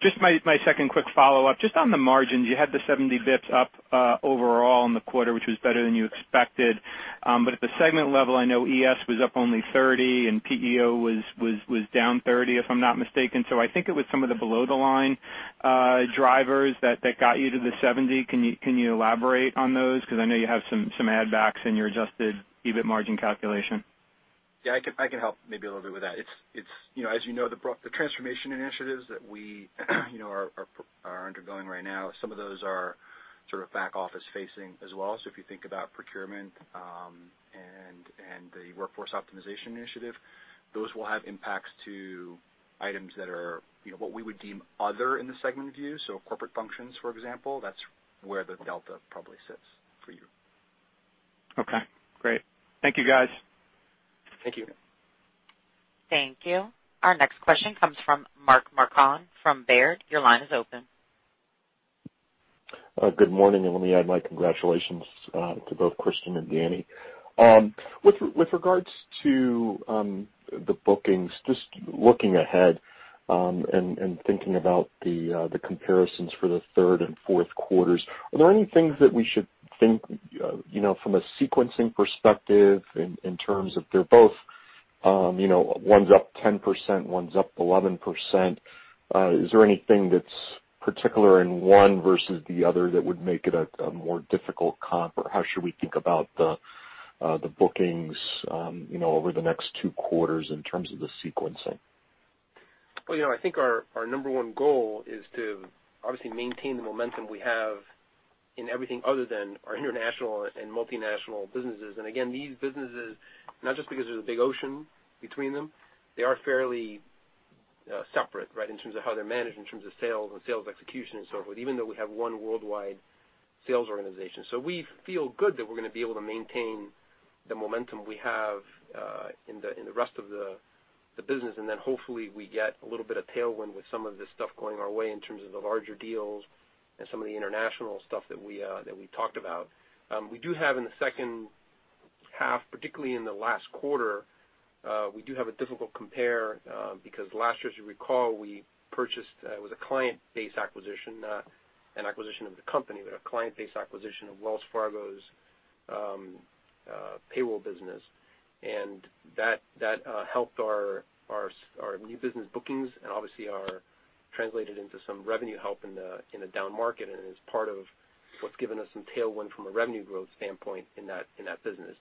S8: Just my second quick follow-up, just on the margins, you had the 70 basis points up overall in the quarter, which was better than you expected. At the segment level, I know ES was up only 30 basis points and PEO was down 30 basis points, if I'm not mistaken. I think it was some of the below the line drivers that got you to the 70 basis points. Can you elaborate on those? I know you have some add backs in your adjusted EBIT margin calculation.
S3: Yeah, I can help maybe a little bit with that. As you know, the transformation initiatives that we are undergoing right now, some of those are sort of back office facing as well. If you think about procurement and the Workforce Optimization Initiative, those will have impacts to items that are what we would deem other in the segment view. Corporate functions, for example, that's where the delta probably sits for you.
S8: Okay, great. Thank you, guys.
S3: Thank you.
S1: Thank you. Our next question comes from Mark Marcon from Baird. Your line is open.
S9: Good morning. Let me add my congratulations to both Christian and Danny. With regards to the bookings, just looking ahead and thinking about the comparisons for the third and fourth quarters, are there any things that we should think from a sequencing perspective in terms of they're both one's up 10%, one's up 11%? Is there anything that's particular in one versus the other that would make it a more difficult comp? How should we think about the bookings over the next two quarters in terms of the sequencing?
S3: Well, I think our number one goal is to obviously maintain the momentum we have in everything other than our international and multinational businesses. Again, these businesses, not just because there's a big ocean between them, they are fairly separate in terms of how they're managed, in terms of sales and sales execution and so forth, even though we have one worldwide sales organization. We feel good that we're going to be able to maintain the momentum we have in the rest of the business, and then hopefully we get a little bit of tailwind with some of this stuff going our way in terms of the larger deals and some of the international stuff that we talked about. We do have in the second half, particularly in the last quarter, we do have a difficult compare because last year, as you recall, we purchased, it was a client-based acquisition, an acquisition of the company, but a client-based acquisition of Wells Fargo's payroll business. That helped our new business bookings and obviously translated into some revenue help in a down market, and it is part of what's given us some tailwind from a revenue growth standpoint in that business.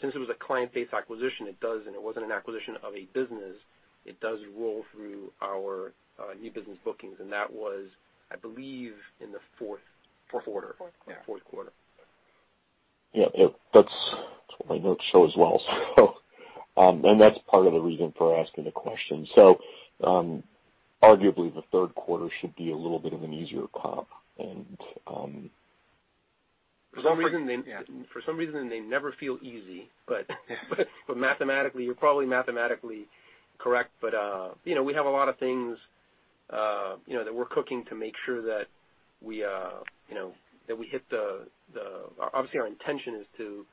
S3: Since it was a client-based acquisition, and it wasn't an acquisition of a business, it does roll through our new business bookings, and that was, I believe, in the fourth quarter.
S4: Fourth quarter.
S9: Yeah. That's what my notes show as well and that's part of the reason for asking the question. Arguably, the third quarter should be a little bit of an easier comp.
S3: For some reason, they never feel easy, but mathematically, you're probably mathematically correct. We have a lot of things that we're cooking to make sure that obviously our intention is to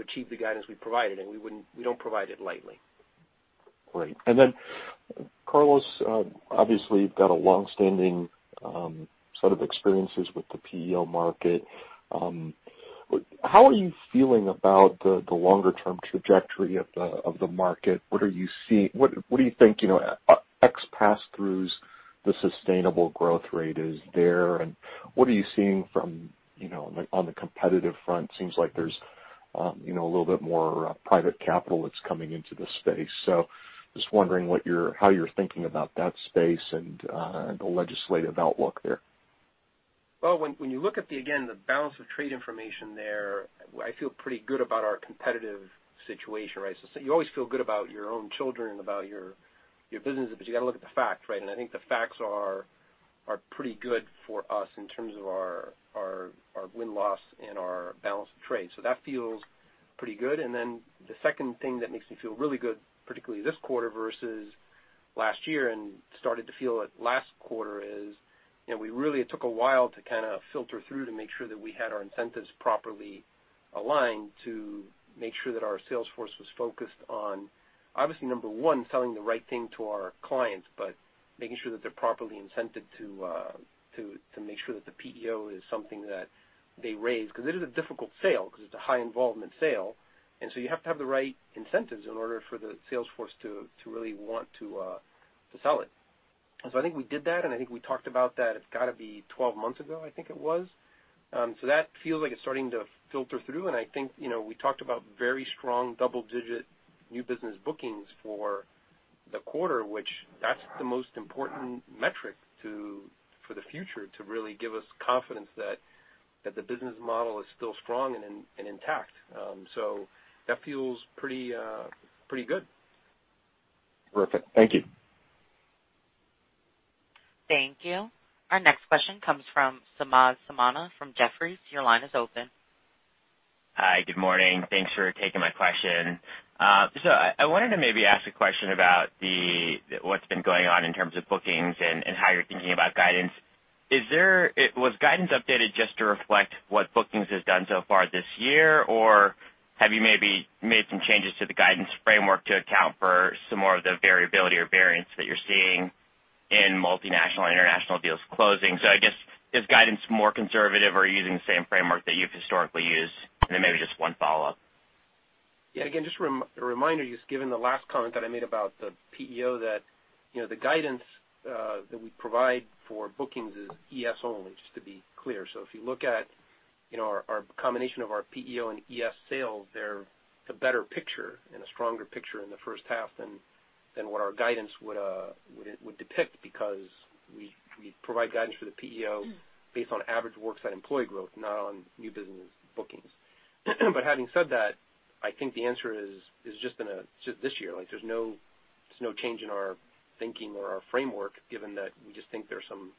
S3: achieve the guidance we provided, and we don't provide it lightly.
S9: Great. Carlos, obviously you've got a long-standing set of experiences with the PEO market. How are you feeling about the longer-term trajectory of the market? What do you think ex pass-throughs the sustainable growth rate is there, and what are you seeing on the competitive front? Seems like there's a little bit more private capital that's coming into the space. Just wondering how you're thinking about that space and the legislative outlook there.
S3: Well, when you look at the, again, the balance of trade information there, I feel pretty good about our competitive situation. You always feel good about your own children, about your business, but you got to look at the facts. I think the facts are pretty good for us in terms of our win-loss and our balance of trade. That feels pretty good. The second thing that makes me feel really good, particularly this quarter versus last year, and started to feel it last quarter is, we really took a while to filter through to make sure that we had our incentives properly aligned to make sure that our sales force was focused on, obviously, number one, selling the right thing to our clients, but making sure that they're properly incented to make sure that the PEO is something that they raise, because it is a difficult sale because it's a high involvement sale. You have to have the right incentives in order for the sales force to really want to sell it. I think we did that, and I think we talked about that, it's got to be 12 months ago, I think it was. That feels like it's starting to filter through, and I think we talked about very strong double-digit new business bookings for the quarter, which that's the most important metric for the future to really give us confidence that the business model is still strong and intact. That feels pretty good.
S9: Terrific. Thank you.
S1: Thank you. Our next question comes from Samad Samana from Jefferies. Your line is open.
S10: Hi, good morning. Thanks for taking my question. I wanted to maybe ask a question about what's been going on in terms of bookings and how you're thinking about guidance. Was guidance updated just to reflect what bookings has done so far this year, or have you maybe made some changes to the guidance framework to account for some more of the variability or variance that you're seeing in multinational and international deals closing? I guess, is guidance more conservative, or are you using the same framework that you've historically used? Maybe just one follow-up.
S3: Again, just a reminder, given the last comment that I made about the PEO that the guidance that we provide for bookings is ES only, just to be clear. If you look at our combination of our PEO and ES sales, they're a better picture and a stronger picture in the first half than what our guidance would depict because we provide guidance for the PEO based on average worksite employee growth, not on new business bookings. Having said that, I think the answer is just this year. There's no change in our thinking or our framework given that we just think there's some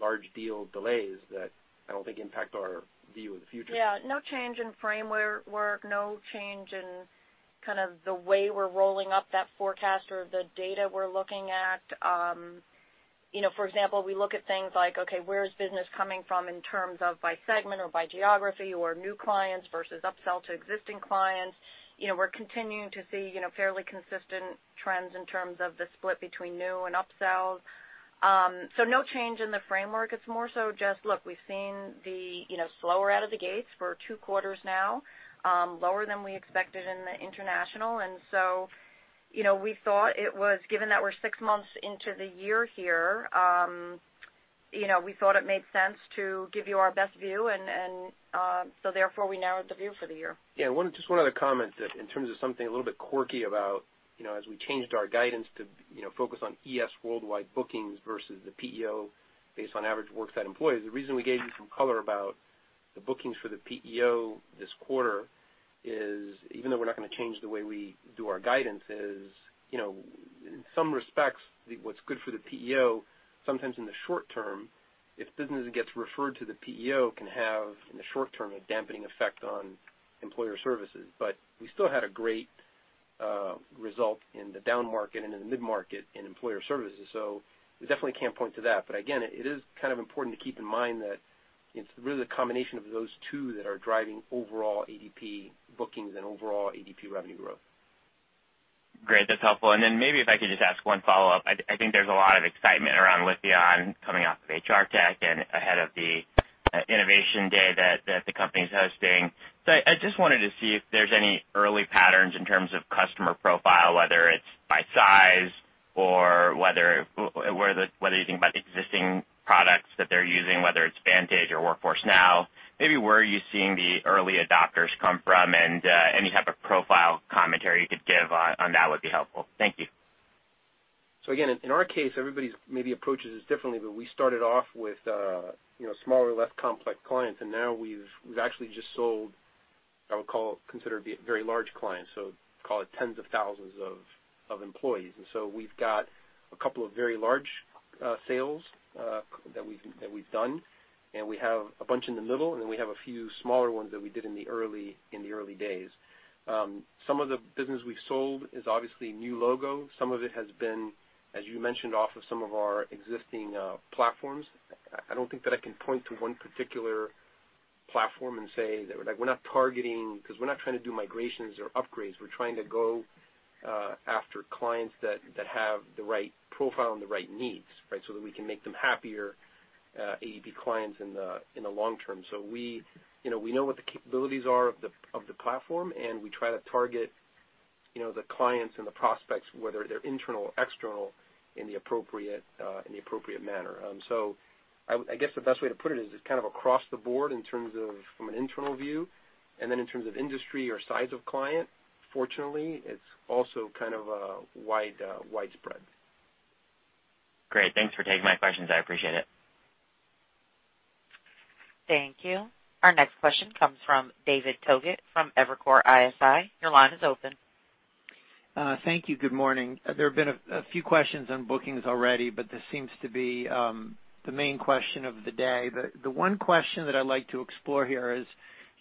S3: large deal delays that I don't think impact our view of the future.
S4: No change in framework, no change in the way we're rolling up that forecast or the data we're looking at. For example, we look at things like, okay, where is business coming from in terms of by segment or by geography or new clients versus upsell to existing clients. We're continuing to see fairly consistent trends in terms of the split between new and upsells. No change in the framework. It's more so just, look, we've seen the slower out of the gates for two quarters now, lower than we expected in the international. We thought it was given that we're six months into the year here, we thought it made sense to give you our best view, and so therefore we narrowed the view for the year.
S3: Yeah, just one other comment that in terms of something a little bit quirky about as we changed our guidance to focus on ES worldwide bookings versus the PEO based on average worksite employees, the reason we gave you some color about the bookings for the PEO this quarter is, even though we're not going to change the way we do our guidance is, in some respects, what's good for the PEO, sometimes in the short term, if business gets referred to the PEO, can have, in the short term, a dampening effect on Employer Services. We still had a great result in the down market and in the mid-market in Employer Services. We definitely can't point to that. Again, it is important to keep in mind that it's really the combination of those two that are driving overall ADP bookings and overall ADP revenue growth.
S10: Great. That's helpful. Maybe if I could just ask one follow-up. I think there's a lot of excitement around Workday coming off of HR Tech and ahead of the Innovation Day that the company's hosting. I just wanted to see if there's any early patterns in terms of customer profile, whether it's by size or whether you think about existing products that they're using, whether it's Vantage or Workforce Now. Maybe where are you seeing the early adopters come from, and any type of profile commentary you could give on that would be helpful. Thank you.
S3: Again, in our case, everybody maybe approaches this differently, but we started off with smaller, less complex clients, and now we've actually just sold, I would call, consider to be a very large client, so call it tens of thousands of employees. We've got a couple of very large sales that we've done, and we have a bunch in the middle, and then we have a few smaller ones that we did in the early days. Some of the business we've sold is obviously new logo. Some of it has been, as you mentioned, off of some of our existing platforms. I don't think that I can point to one particular platform and say that we're not targeting, because we're not trying to do migrations or upgrades. We're trying to go after clients that have the right profile and the right needs so that we can make them happier ADP clients in the long term. We know what the capabilities are of the platform, and we try to target the clients and the prospects, whether they're internal or external, in the appropriate manner. I guess the best way to put it is it's across the board in terms of from an internal view, and then in terms of industry or size of client. Fortunately, it's also widespread.
S10: Great. Thanks for taking my questions. I appreciate it.
S1: Thank you. Our next question comes from David Togut from Evercore ISI. Your line is open.
S11: Thank you. Good morning. There have been a few questions on bookings already, but this seems to be the main question of the day. The one question that I'd like to explore here is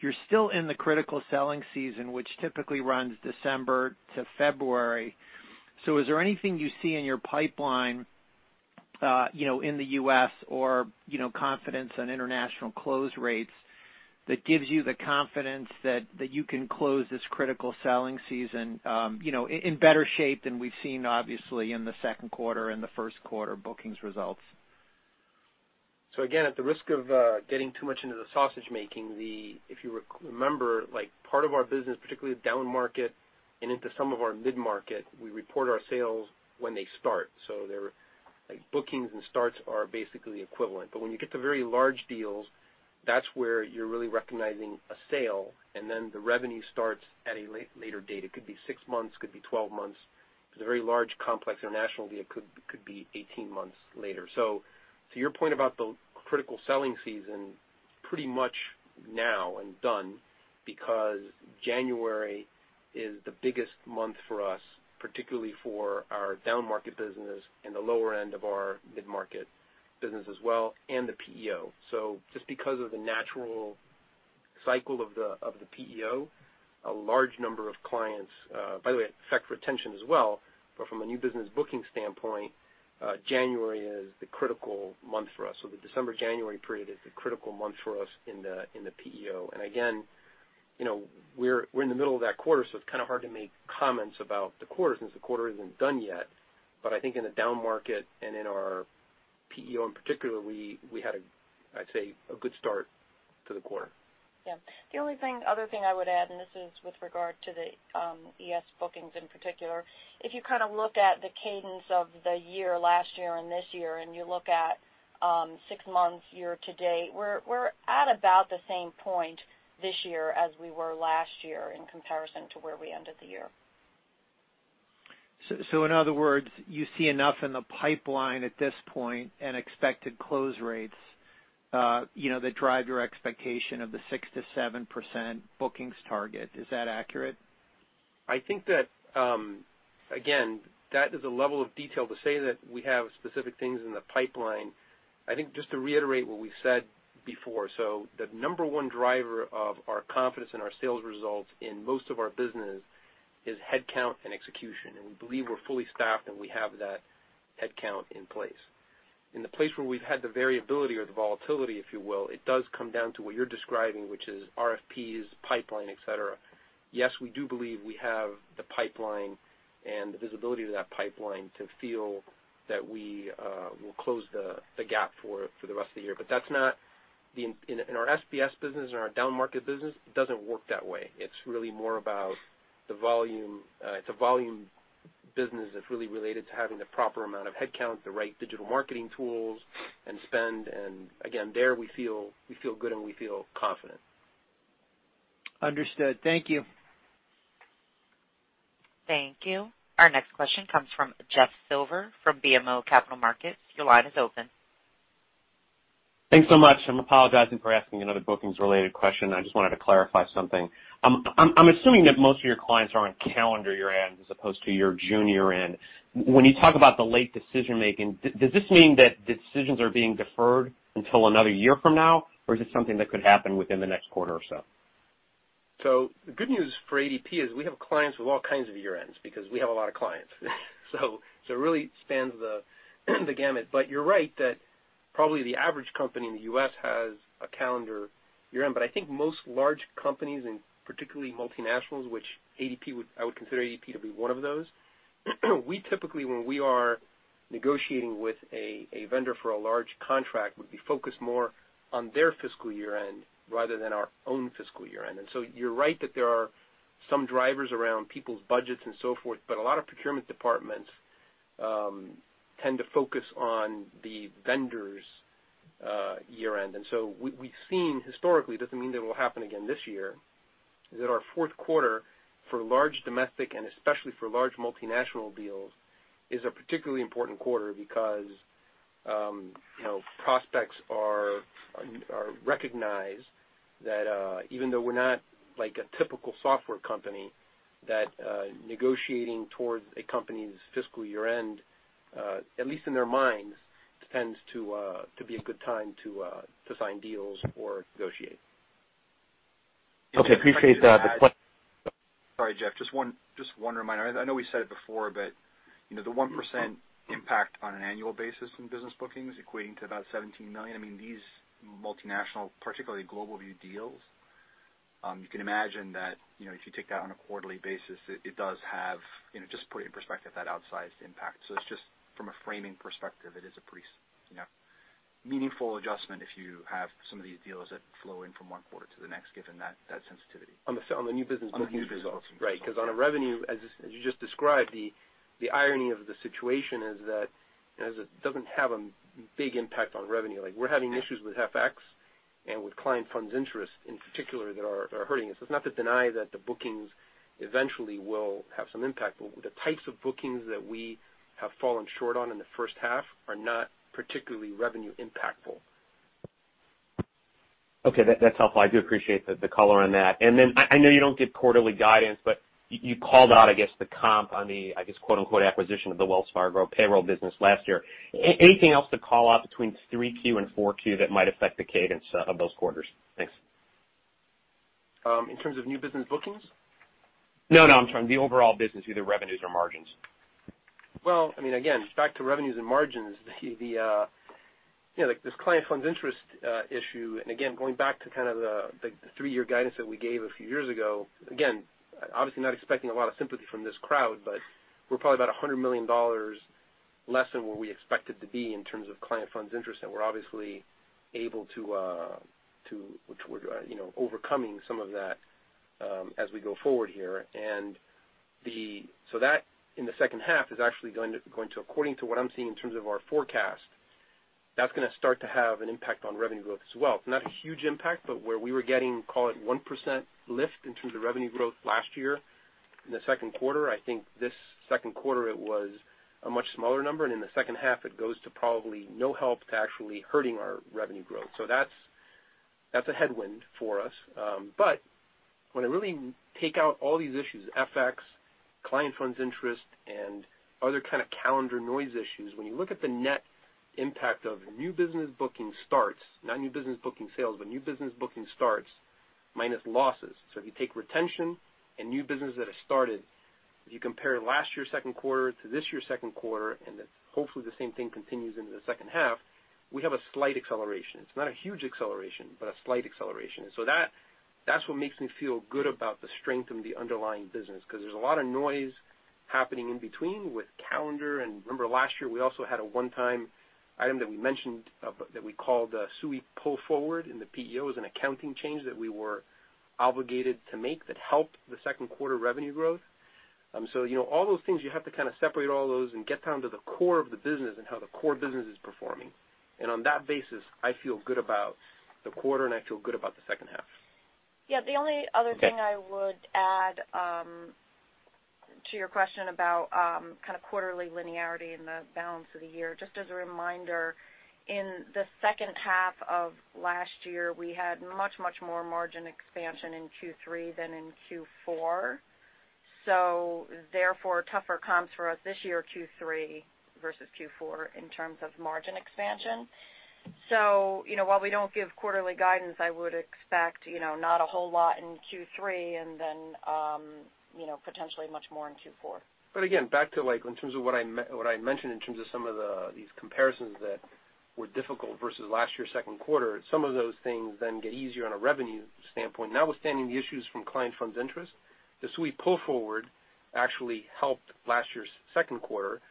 S11: you're still in the critical selling season, which typically runs December to February. Is there anything you see in your pipeline in the U.S. or confidence on international close rates that gives you the confidence that you can close this critical selling season in better shape than we've seen, obviously, in the second quarter and the first quarter bookings results?
S3: Again, at the risk of getting too much into the sausage-making, if you remember, part of our business, particularly the down market and into some of our mid-market, we report our sales when they start. Bookings and starts are basically equivalent. When you get to very large deals, that's where you're really recognizing a sale, and then the revenue starts at a later date. It could be six months, could be 12 months. If it's a very large, complex international deal, it could be 18 months later. To your point about the critical selling season, pretty much now and done, because January is the biggest month for us, particularly for our down market business and the lower end of our mid-market business as well, and the PEO. Just because of the natural cycle of the PEO, a large number of clients, by the way, it affects retention as well, but from a new business booking standpoint, January is the critical month for us. The December-January period is the critical month for us in the PEO. Again, we're in the middle of that quarter, so it's hard to make comments about the quarter since the quarter isn't done yet. I think in the down market and in our PEO in particular, we had, I'd say, a good start to the quarter.
S4: Yeah. The only other thing I would add. This is with regard to the ES bookings in particular. If you look at the cadence of the year last year and this year, you look at six months year to date, we're at about the same point this year as we were last year in comparison to where we ended the year.
S11: In other words, you see enough in the pipeline at this point and expected close rates that drive your expectation of the 6%-7% bookings target. Is that accurate?
S3: I think that, again, that is a level of detail to say that we have specific things in the pipeline. I think just to reiterate what we've said before, the number one driver of our confidence in our sales results in most of our business is headcount and execution, and we believe we're fully staffed, and we have that headcount in place. The place where we've had the variability or the volatility, if you will, it does come down to what you're describing, which is RFPs, pipeline, et cetera. Yes, we do believe we have the pipeline and the visibility to that pipeline to feel that we will close the gap for the rest of the year. In our SBS business and our down market business, it doesn't work that way. It's really more about the volume. It's a volume business that's really related to having the proper amount of headcount, the right digital marketing tools, and spend, and again, there we feel good, and we feel confident.
S11: Understood. Thank you.
S1: Thank you. Our next question comes from Jeff Silber from BMO Capital Markets. Your line is open.
S12: Thanks so much. I'm apologizing for asking another bookings-related question. I just wanted to clarify something. I'm assuming that most of your clients are on calendar year-ends as opposed to your June year-end. When you talk about the late decision-making, does this mean that decisions are being deferred until another year from now, or is it something that could happen within the next quarter or so?
S3: The good news for ADP is we have clients with all kinds of year-ends because we have a lot of clients. It really spans the gamut. You're right that probably the average company in the U.S. has a calendar year-end. I think most large companies, and particularly multinationals, which I would consider ADP to be one of those, we typically, when we are negotiating with a vendor for a large contract, would be focused more on their fiscal year-end rather than our own fiscal year-end. You're right that there are some drivers around people's budgets and so forth, but a lot of procurement departments tend to focus on the vendor's year-end. We've seen historically, doesn't mean that it will happen again this year, is that our fourth quarter for large domestic, and especially for large multinational deals, is a particularly important quarter because prospects recognize that even though we're not a typical software company, that negotiating towards a company's fiscal year-end, at least in their minds, tends to be a good time to sign deals or negotiate.
S12: Okay, appreciate that.
S2: Sorry, Jeff, just one reminder. I know we said it before, the 1% impact on an annual basis in business bookings equating to about $17 million. These multinational, particularly GlobalView deals, you can imagine that if you take that on a quarterly basis, it does have, just put it in perspective, that outsized impact. It's just from a framing perspective, it is a pretty meaningful adjustment if you have some of these deals that flow in from one quarter to the next, given that sensitivity.
S3: On the new business bookings results.
S2: On the new business bookings results.
S3: Right. Because on a revenue, as you just described, the irony of the situation is that it doesn't have a big impact on revenue. We're having issues with FX and with client funds interest in particular that are hurting us. It's not to deny that the bookings eventually will have some impact, but the types of bookings that we have fallen short on in the first half are not particularly revenue impactful.
S12: Okay. That's helpful. I do appreciate the color on that. I know you don't give quarterly guidance, but you called out, I guess, the comp on the, I guess, quote-unquote, acquisition of the Wells Fargo payroll business last year. Anything else to call out between 3Q and 4Q that might affect the cadence of those quarters? Thanks.
S3: In terms of new business bookings?
S12: No, I'm talking the overall business, either revenues or margins.
S3: Well, again, back to revenues and margins, this client funds interest issue, and again, going back to the three year guidance that we gave a few years ago, again, obviously not expecting a lot of sympathy from this crowd, but we're probably about $100 million less than where we expected to be in terms of client funds interest. We're obviously able to overcoming some of that as we go forward here. That in the second half is actually going to, according to what I'm seeing in terms of our forecast, that's going to start to have an impact on revenue growth as well. Not a huge impact, but where we were getting, call it 1% lift in terms of revenue growth last year in the second quarter, I think this second quarter it was a much smaller number, and in the second half, it goes to probably no help to actually hurting our revenue growth. That's a headwind for us. When I really take out all these issues, FX, client funds interest, and other kind of calendar noise issues, when you look at the net impact of new business booking starts, not new business booking sales, but new business booking starts minus losses. If you take retention and new business that has started, if you compare last year's second quarter to this year's second quarter, and then hopefully the same thing continues into the second half, we have a slight acceleration. It's not a huge acceleration, but a slight acceleration. That's what makes me feel good about the strength of the underlying business, because there's a lot of noise happening in between with calendar. Remember last year, we also had a one-time item that we mentioned that we called the SUI pull forward in the PEO as an accounting change that we were obligated to make that helped the second quarter revenue growth. All those things, you have to kind of separate all those and get down to the core of the business and how the core business is performing. On that basis, I feel good about the quarter, and I feel good about the second half.
S4: Yeah. The only other thing I would add to your question about kind of quarterly linearity and the balance of the year. Just as a reminder, in the second half of last year, we had much, much more margin expansion in Q3 than in Q4. Therefore, tougher comps for us this year, Q3 versus Q4 in terms of margin expansion. While we don't give quarterly guidance, I would expect not a whole lot in Q3, and then potentially much more in Q4.
S3: Again, back to in terms of what I mentioned in terms of some of these comparisons that were difficult versus last year's second quarter, some of those things then get easier on a revenue standpoint. Notwithstanding the issues from client funds interest, the SUI pull forward actually helped last year's second quarter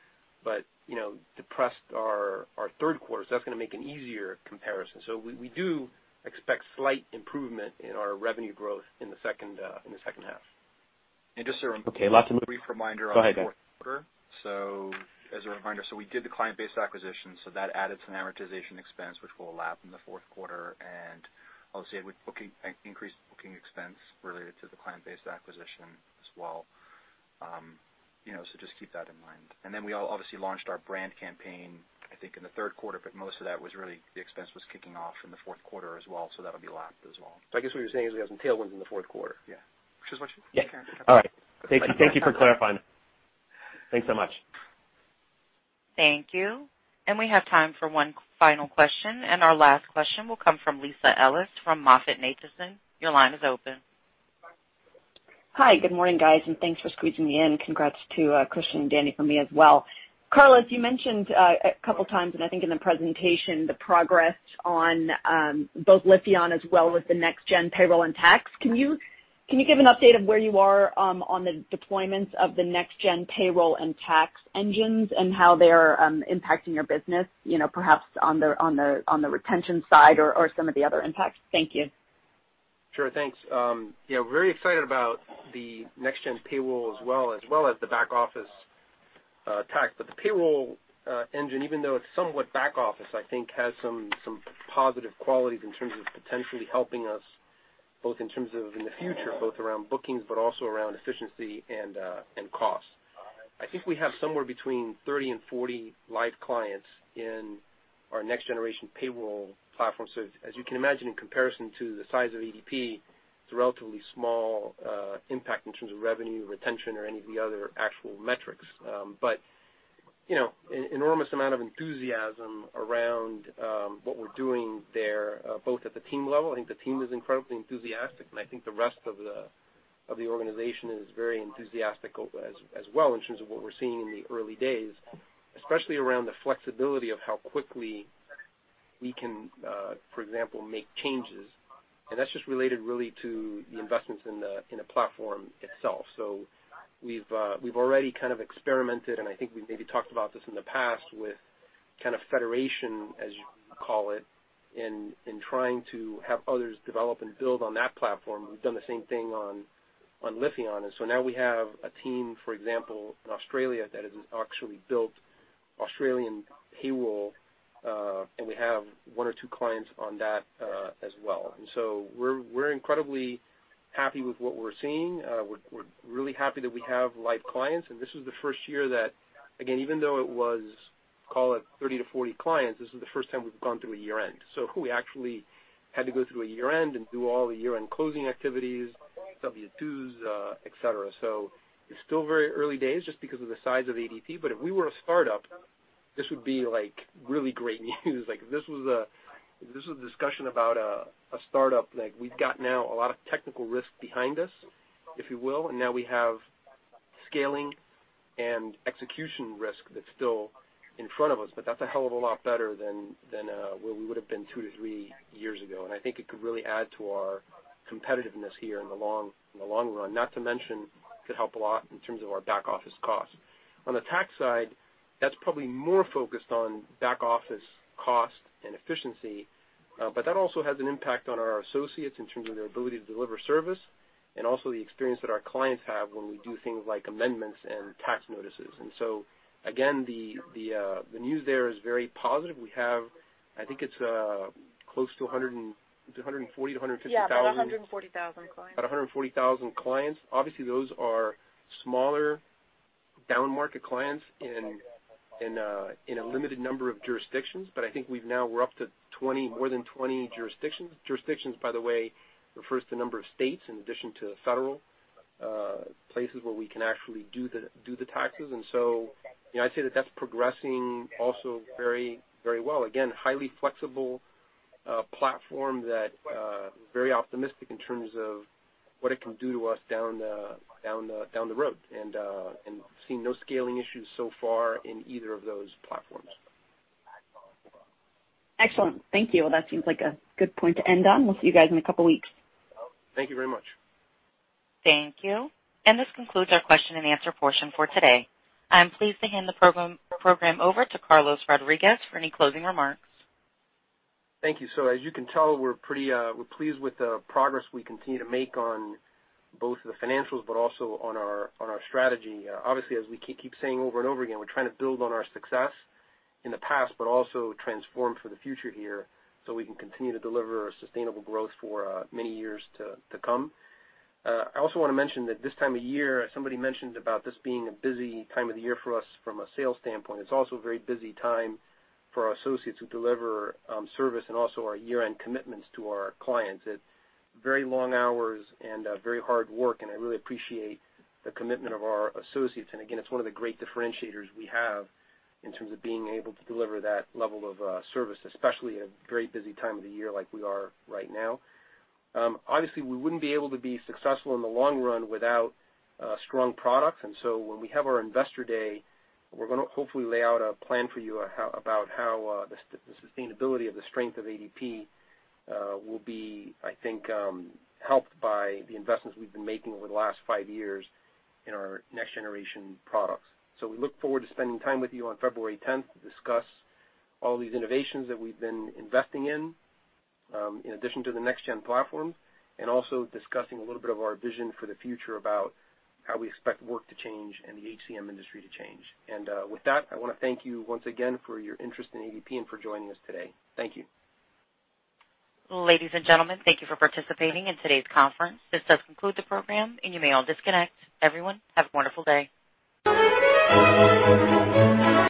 S3: but depressed our third quarter. That's going to make an easier comparison. We do expect slight improvement in our revenue growth in the second half.
S12: Okay, last and-
S2: Just a brief reminder on the fourth quarter.
S12: Go ahead, guys.
S2: As a reminder, we did the client base acquisition, so that added some amortization expense, which we'll lap in the fourth quarter. Obviously, it would increase booking expense related to the client-based acquisition as well. Just keep that in mind. We obviously launched our brand campaign, I think, in the third quarter, but most of that was really the expense was kicking off in the fourth quarter as well, so that'll be lapped as well.
S3: I guess what you're saying is we have some tailwinds in the fourth quarter.
S2: Yeah.
S3: Which is what Kathleen just covered.
S12: All right. Thank you for clarifying. Thanks so much.
S1: Thank you. We have time for one final question, and our last question will come from Lisa Ellis from MoffettNathanson. Your line is open.
S13: Hi. Good morning, guys. Thanks for squeezing me in. Congrats to Christian and Danny from me as well. Carl, as you mentioned a couple times, I think in the presentation, the progress on both Lifion as well with the next-gen payroll and tax. Can you give an update of where you are on the deployments of the next-gen payroll and tax engines and how they are impacting your business, perhaps on the retention side or some of the other impacts? Thank you.
S3: Sure. Thanks. Yeah, very excited about the next gen payroll as well, as well as the back office tax. The payroll engine, even though it's somewhat back office, I think has some positive qualities in terms of potentially helping us both in terms of in the future, both around bookings, also around efficiency and cost. I think we have somewhere between 30 and 40 live clients in our next generation payroll platform. As you can imagine, in comparison to the size of ADP, it's a relatively small impact in terms of revenue, retention, or any of the other actual metrics. An enormous amount of enthusiasm around what we're doing there, both at the team level, I think the team is incredibly enthusiastic, and I think the rest of the organization is very enthusiastic as well in terms of what we're seeing in the early days, especially around the flexibility of how quickly we can, for example, make changes. That's just related really to the investments in the platform itself. We've already experimented, and I think we maybe talked about this in the past, with federation, as you call it, in trying to have others develop and build on that platform. We've done the same thing on Lifion. Now we have a team, for example, in Australia, that has actually built Australian payroll, and we have one or two clients on that, as well. We're incredibly happy with what we're seeing. We're really happy that we have live clients, this is the first year that, again, even though it was, call it 30-40 clients, this is the first time we've gone through a year-end. We actually had to go through a year-end and do all the year-end closing activities, W-2s, et cetera. It's still very early days just because of the size of ADP, but if we were a startup, this would be really great news. If this was a discussion about a startup, we've got now a lot of technical risk behind us, if you will, and now we have scaling and execution risk that's still in front of us, but that's a hell of a lot better than where we would've been two to three years ago. I think it could really add to our competitiveness here in the long run. Not to mention, could help a lot in terms of our back-office costs. On the tax side, that's probably more focused on back-office cost and efficiency, but that also has an impact on our associates in terms of their ability to deliver service, and also the experience that our clients have when we do things like amendments and tax notices. Again, the news there is very positive. We have, I think it's close to 140,000-150,000-
S4: Yeah, about 140,000 clients.
S3: about 140,000 clients. Obviously, those are smaller, downmarket clients in a limited number of jurisdictions, but I think we're up to more than 20 jurisdictions. Jurisdictions, by the way, refers to number of states in addition to federal places where we can actually do the taxes, and so I'd say that that's progressing also very well. Again, highly flexible platform that very optimistic in terms of what it can do to us down the road. Seeing no scaling issues so far in either of those platforms.
S13: Excellent. Thank you. Well, that seems like a good point to end on. We'll see you guys in a couple of weeks.
S3: Thank you very much.
S1: Thank you. This concludes our question and answer portion for today. I'm pleased to hand the program over to Carlos Rodriguez for any closing remarks.
S3: Thank you. As you can tell, we're pleased with the progress we continue to make on both the financials, but also on our strategy. Obviously, as we keep saying over and over again, we're trying to build on our success in the past, but also transform for the future here so we can continue to deliver a sustainable growth for many years to come. I also want to mention that this time of year, somebody mentioned about this being a busy time of the year for us from a sales standpoint. It's also a very busy time for our associates who deliver service and also our year-end commitments to our clients. It's very long hours and very hard work. I really appreciate the commitment of our associates. Again, it's one of the great differentiators we have in terms of being able to deliver that level of service, especially at a very busy time of the year like we are right now. Obviously, we wouldn't be able to be successful in the long run without strong products. When we have our Investor Day, we're going to hopefully lay out a plan for you about how the sustainability of the strength of ADP will be, I think, helped by the investments we've been making over the last five years in our next-generation products. We look forward to spending time with you on February 10th to discuss all these innovations that we've been investing in addition to the next gen platforms, and also discussing a little bit of our vision for the future about how we expect work to change and the HCM industry to change. With that, I want to thank you once again for your interest in ADP and for joining us today. Thank you.
S1: Ladies and gentlemen, thank you for participating in today's conference. This does conclude the program. You may all disconnect. Everyone, have a wonderful day.